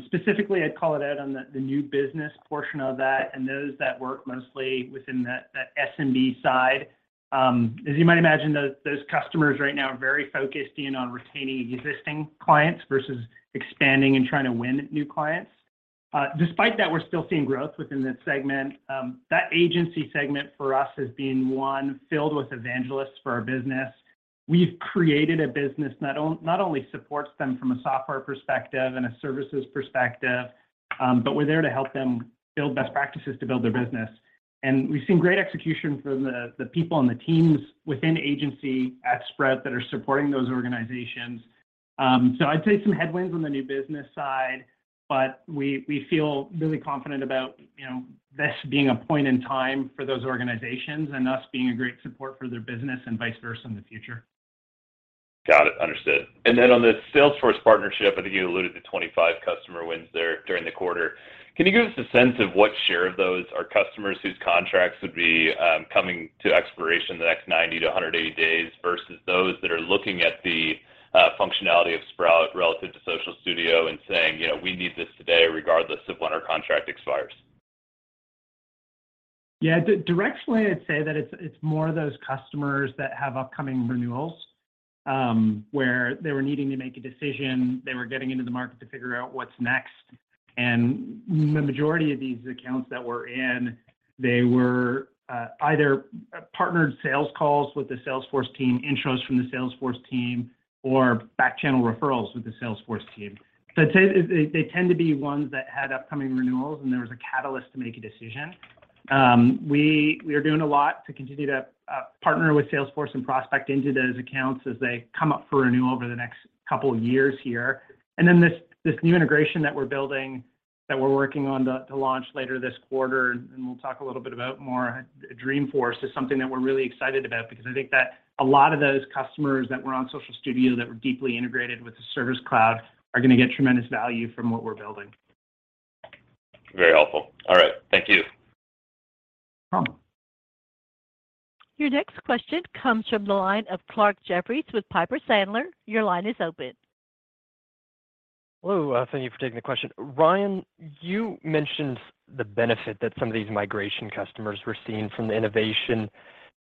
Specifically, I'd call it out on the new business portion of that and those that work mostly within that SMB side. As you might imagine, those customers right now are very focused in on retaining existing clients versus expanding and trying to win new clients. Despite that, we're still seeing growth within this segment. That agency segment for us has been one filled with evangelists for our business. We've created a business that not only supports them from a software perspective and a services perspective, but we're there to help them build best practices to build their business. We've seen great execution from the people on the teams within agency at Sprout that are supporting those organizations. I'd say some headwinds on the new business side, but we feel really confident about, you know, this being a point in time for those organizations, and us being a great support for their business and vice versa in the future. Got it. Understood. On the Salesforce partnership, I think you alluded to 25 customer wins there during the quarter. Can you give us a sense of what share of those are customers whose contracts would be coming to expiration in the next 90-180 days, versus those that are looking at the functionality of Sprout relative to Social Studio and saying, you know, "We need this today regardless of when our contract expires"? Yeah. Directionally, I'd say that it's more those customers that have upcoming renewals, where they were needing to make a decision, they were getting into the market to figure out what's next. The majority of these accounts that we're in, they were either partnered sales calls with the Salesforce team, intros from the Salesforce team, or back-channel referrals with the Salesforce team. I'd say they tend to be ones that had upcoming renewals, and there was a catalyst to make a decision. We are doing a lot to continue to partner with Salesforce and prospect into those accounts as they come up for renew over the next couple years here. This new integration that we're building, that we're working on to launch later this quarter, and we'll talk a little bit about more at Dreamforce, is something that we're really excited about, because I think that a lot of those customers that were on Social Studio that were deeply integrated with the Service Cloud are gonna get tremendous value from what we're building. Very helpful. All right. Thank you. No problem. Your next question comes from the line of Clarke Jeffries with Piper Sandler. Your line is open. Hello. Thank you for taking the question. Ryan, you mentioned the benefit that some of these migration customers were seeing from the innovation.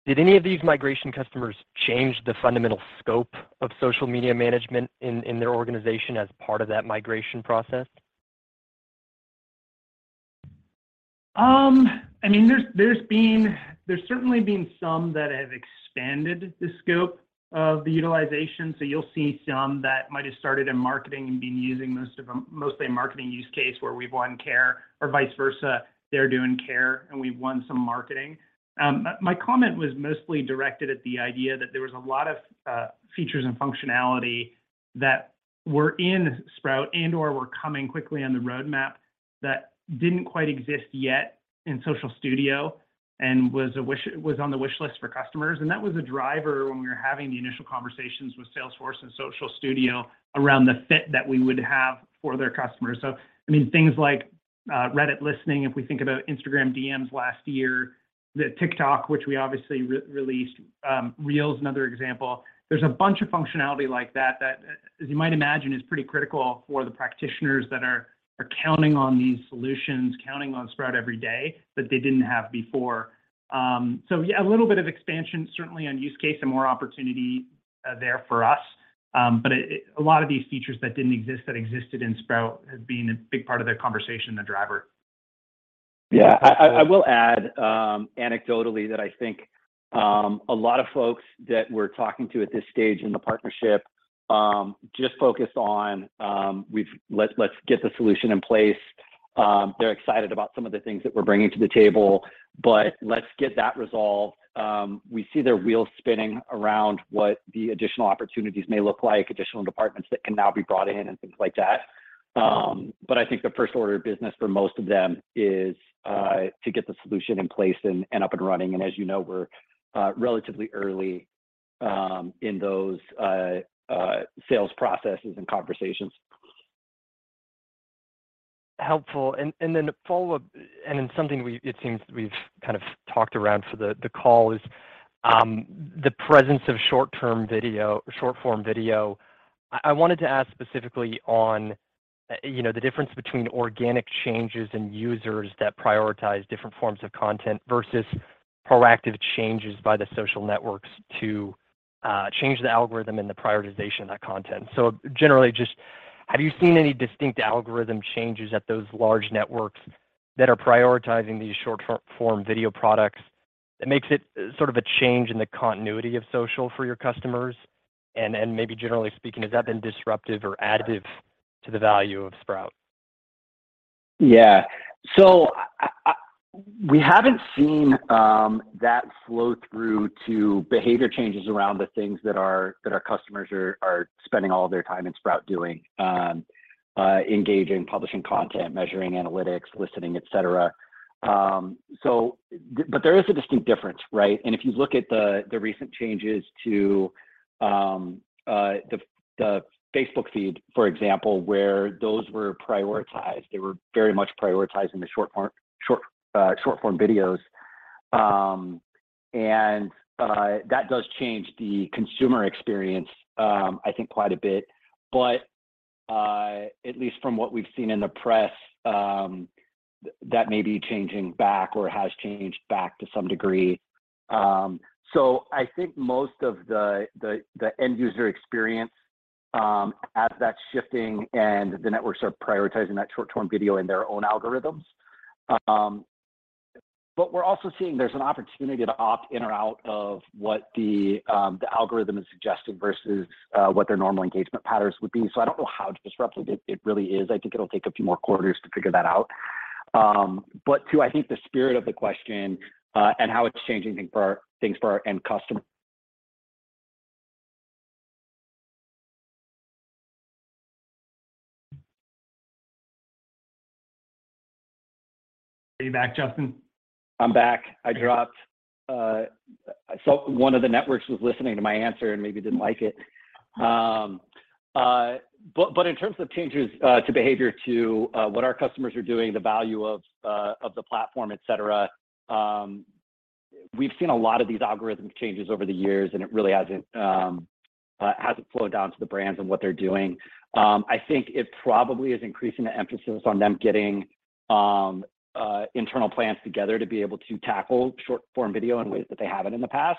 Did any of these migration customers change the fundamental scope of social media management in their organization as part of that migration process? I mean, there's certainly been some that have expanded the scope of the utilization. You'll see some that might have started in marketing and been using most of them, mostly a marketing use case, where we've won care, or vice versa, they're doing care and we've won some marketing. My comment was mostly directed at the idea that there was a lot of features and functionality that were in Sprout and/or were coming quickly on the roadmap that didn't quite exist yet in Social Studio and was on the wish list for customers. That was a driver when we were having the initial conversations with Salesforce and Social Studio around the fit that we would have for their customers. I mean, things like Reddit listening, if we think about Instagram DMs last year, the TikTok, which we obviously re-released. Reels, another example. There's a bunch of functionality like that as you might imagine, is pretty critical for the practitioners that are counting on these solutions, counting on Sprout every day, that they didn't have before. Yeah, a little bit of expansion certainly on use case and more opportunity there for us. It, a lot of these features that didn't exist that existed in Sprout have been a big part of their conversation, the driver. Yeah. I will add anecdotally that I think a lot of folks that we're talking to at this stage in the partnership just focused on "Let's get the solution in place." They're excited about some of the things that we're bringing to the table, but let's get that resolved. We see their wheels spinning around what the additional opportunities may look like, additional departments that can now be brought in and things like that. I think the first order of business for most of them is to get the solution in place and up and running. As you know, we're relatively early in those sales processes and conversations. Helpful. Then a follow-up, it's something it seems we've kind of talked around for the call, the presence of short-form video. I wanted to ask specifically on, you know, the difference between organic changes in users that prioritize different forms of content versus proactive changes by the social networks to change the algorithm and the prioritization of that content. Generally just have you seen any distinct algorithm changes at those large networks that are prioritizing these short-form video products that makes it sort of a change in the continuity of social for your customers? Maybe generally speaking, has that been disruptive or additive to the value of Sprout? Yeah. We haven't seen that flow through to behavior changes around the things that our customers are spending all of their time in Sprout doing. Engaging, publishing content, measuring analytics, listening, et cetera. There is a distinct difference, right? If you look at the recent changes to the Facebook feed, for example, where those were prioritized, they were very much prioritizing the short-form videos. That does change the consumer experience, I think quite a bit. At least from what we've seen in the press, that may be changing back or has changed back to some degree. I think most of the end user experience as that's shifting and the networks are prioritizing that short-form video in their own algorithms. We're also seeing there's an opportunity to opt in or out of what the algorithm is suggesting versus what their normal engagement patterns would be. I don't know how disruptive it really is. I think it'll take a few more quarters to figure that out. I think the spirit of the question and how it's changing things for our end customer. Are you back, Justyn? I'm back. I dropped. I felt one of the networks was listening to my answer and maybe didn't like it. In terms of changes to behavior to what our customers are doing, the value of the platform, et cetera, we've seen a lot of these algorithm changes over the years, and it really hasn't flowed down to the brands and what they're doing. I think it probably is increasing the emphasis on them getting internal plans together to be able to tackle short-form video in ways that they haven't in the past.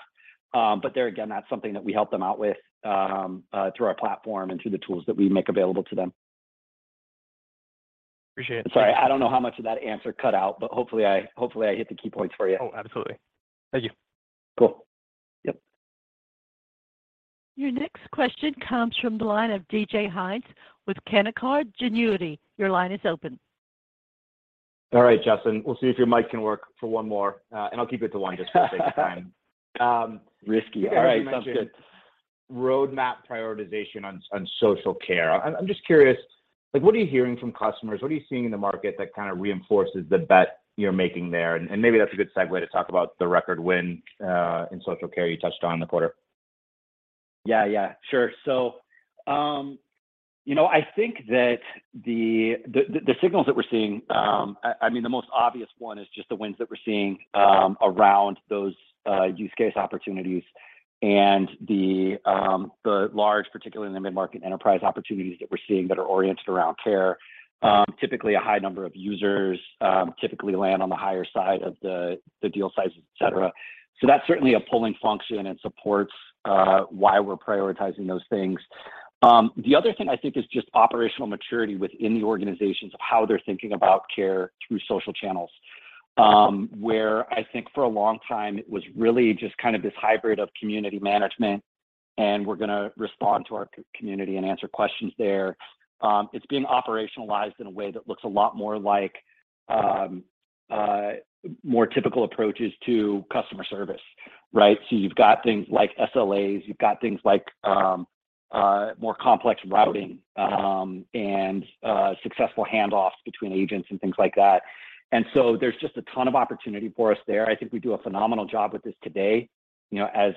There again, that's something that we help them out with through our platform and through the tools that we make available to them. Appreciate it. Sorry, I don't know how much of that answer cut out, but hopefully I hit the key points for you. Oh, absolutely. Thank you. Cool. Yep. Your next question comes from the line of DJ Hynes with Canaccord Genuity. Your line is open. All right, Justyn. We'll see if your mic can work for one more, and I'll keep it to one just for sake of time. Risky. All right. Sounds good. Yeah. You mentioned roadmap prioritization on social care. I'm just curious, like, what are you hearing from customers? What are you seeing in the market that kind of reinforces the bet you're making there? And maybe that's a good segue to talk about the record win in social care you touched on in the quarter. Yeah, yeah. Sure. I think that the signals that we're seeing, I mean, the most obvious one is just the wins that we're seeing around those use case opportunities and the large, particularly in the mid-market enterprise opportunities that we're seeing that are oriented around care. Typically a high number of users, typically land on the higher side of the deal sizes, et cetera. That's certainly a pulling function and supports why we're prioritizing those things. The other thing I think is just operational maturity within the organizations of how they're thinking about care through social channels, where I think for a long time it was really just kind of this hybrid of community management, and we're gonna respond to our community and answer questions there. It's being operationalized in a way that looks a lot more like more typical approaches to customer service, right? You've got things like SLAs, you've got things like more complex routing, and successful handoffs between agents and things like that. There's just a ton of opportunity for us there. I think we do a phenomenal job with this today, you know, as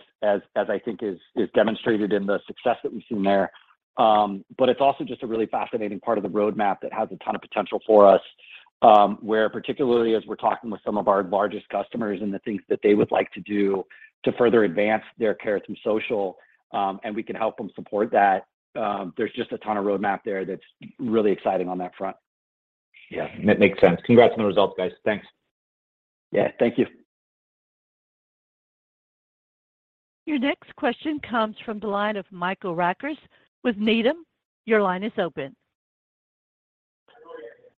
I think is demonstrated in the success that we've seen there. It's also just a really fascinating part of the roadmap that has a ton of potential for us, where particularly as we're talking with some of our largest customers and the things that they would like to do to further advance their care through social, and we can help them support that. There's just a ton of roadmap there that's really exciting on that front. Yeah. That makes sense. Congrats on the results, guys. Thanks. Yeah. Thank you. Your next question comes from the line of Michael with Needham. Your line is open.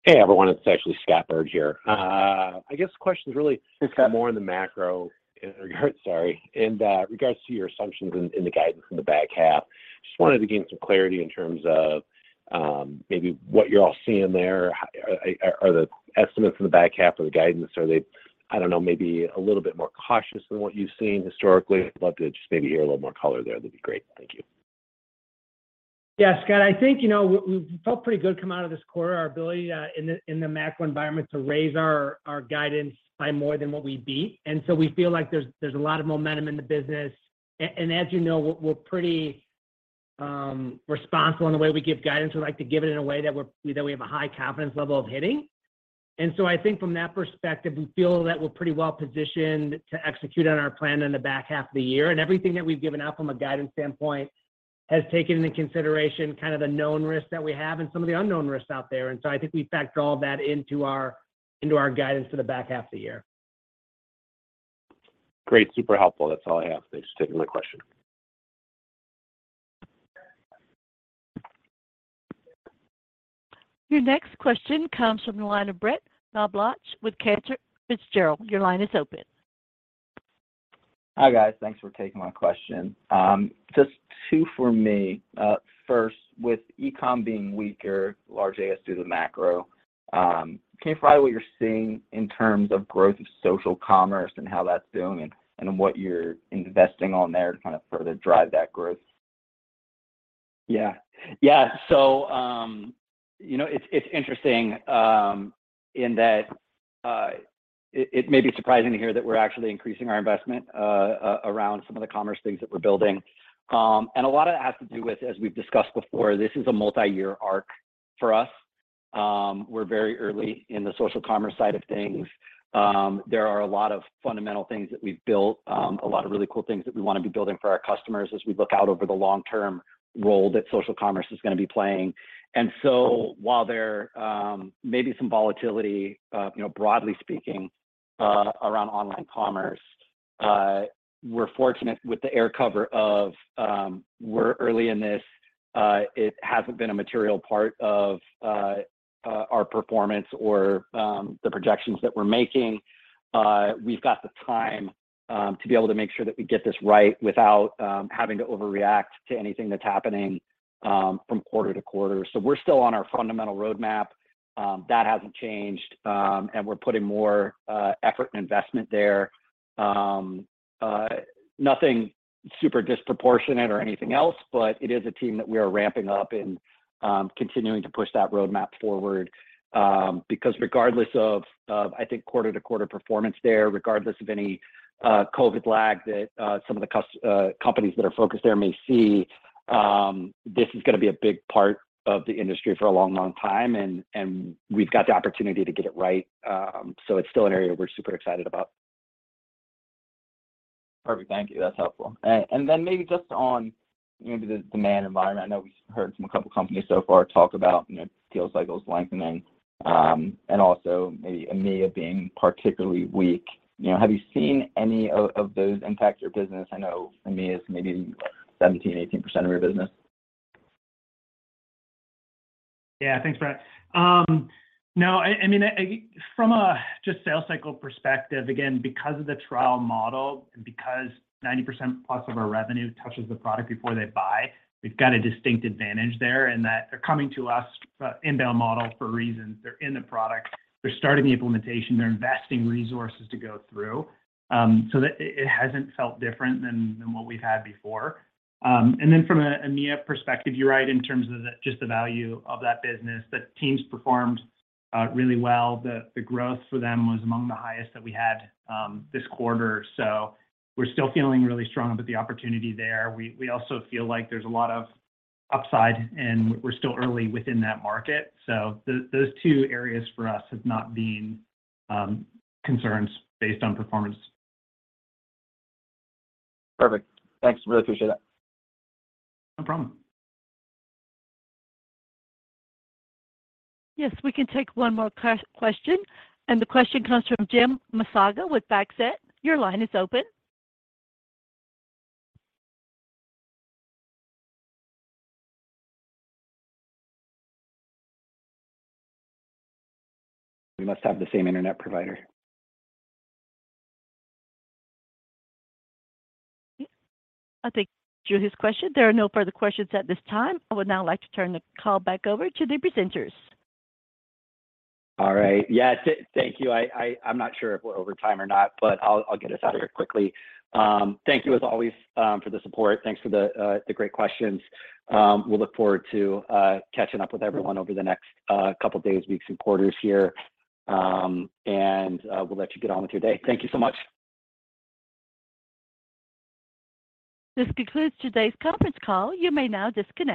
Hey, everyone. It's actually Scott Berg here. I guess the question is really Okay... more in the macro in regards to your assumptions in the guidance in the back half. Just wanted to gain some clarity in terms of, maybe what you're all seeing there. Are the estimates in the back half of the guidance, are they, I don't know, maybe a little bit more cautious than what you've seen historically? I'd love to just maybe hear a little more color there. That'd be great. Thank you. Yeah, Scott. I think, you know, we felt pretty good coming out of this quarter, our ability in the macro environment to raise our guidance by more than what we beat. We feel like there's a lot of momentum in the business. As you know, we're pretty responsible in the way we give guidance. We like to give it in a way that we have a high confidence level of hitting. I think from that perspective, we feel that we're pretty well positioned to execute on our plan in the back half of the year. Everything that we've given out from a guidance standpoint has taken into consideration kind of the known risks that we have and some of the unknown risks out there. I think we factor all that into our guidance for the back half of the year. Great. Super helpful. That's all I have. Thanks for taking my question. Your next question comes from the line of Brett Knoblauch with Cantor Fitzgerald. Your line is open. Hi, guys. Thanks for taking my question. Just two for me. First, with e-com being weaker, large ASP, the macro, can you clarify what you're seeing in terms of growth of social commerce and how that's doing and what you're investing on there to kind of further drive that growth? You know, it's interesting in that it may be surprising to hear that we're actually increasing our investment around some of the commerce things that we're building. A lot of it has to do with, as we've discussed before, this is a multi-year arc for us. We're very early in the social commerce side of things. There are a lot of fundamental things that we've built, a lot of really cool things that we wanna be building for our customers as we look out over the long-term role that social commerce is gonna be playing. While there may be some volatility, you know, broadly speaking, around online commerce, we're fortunate with the air cover of, we're early in this. It hasn't been a material part of our performance or the projections that we're making. We've got the time to be able to make sure that we get this right without having to overreact to anything that's happening. From quarter to quarter. We're still on our fundamental roadmap. That hasn't changed. We're putting more effort and investment there. Nothing super disproportionate or anything else, but it is a team that we are ramping up and continuing to push that roadmap forward. Because regardless of, I think, quarter-to-quarter performance there, regardless of any COVID lag that some of the companies that are focused there may see, this is gonna be a big part of the industry for a long, long time and we've got the opportunity to get it right. It's still an area we're super excited about. Perfect. Thank you. That's helpful. And then maybe just on maybe the demand environment. I know we heard from a couple companies so far talk about, you know, sales cycles lengthening, and also maybe EMEA being particularly weak. You know, have you seen any of those impact your business? I know EMEA is maybe 17%-18% of your business. Yeah. Thanks, Brett. No, I mean from just a sales cycle perspective, again, because of the trial model and because 90% plus of our revenue touches the product before they buy, we've got a distinct advantage there in that they're coming to us, inbound model for a reason. They're in the product. They're starting the implementation. They're investing resources to go through. So it hasn't felt different than what we've had before. From an EMEA perspective, you're right in terms of just the value of that business, that team performed really well. The growth for them was among the highest that we had this quarter. We're still feeling really strong about the opportunity there. We also feel like there's a lot of upside, and we're still early within that market. Those two areas for us have not been concerns based on performance. Perfect. Thanks. Really appreciate that. No problem. Yes, we can take one more question, and the question comes from [Jim Fish with]. Your line is open. We must have the same internet provider. I think Jim's question. There are no further questions at this time. I would now like to turn the call back over to the presenters. All right. Yeah. Thank you. I'm not sure if we're over time or not, but I'll get us out of here quickly. Thank you as always, for the support. Thanks for the great questions. We'll look forward to catching up with everyone over the next couple days, weeks, and quarters here. We'll let you get on with your day. Thank you so much. This concludes today's conference call. You may now disconnect.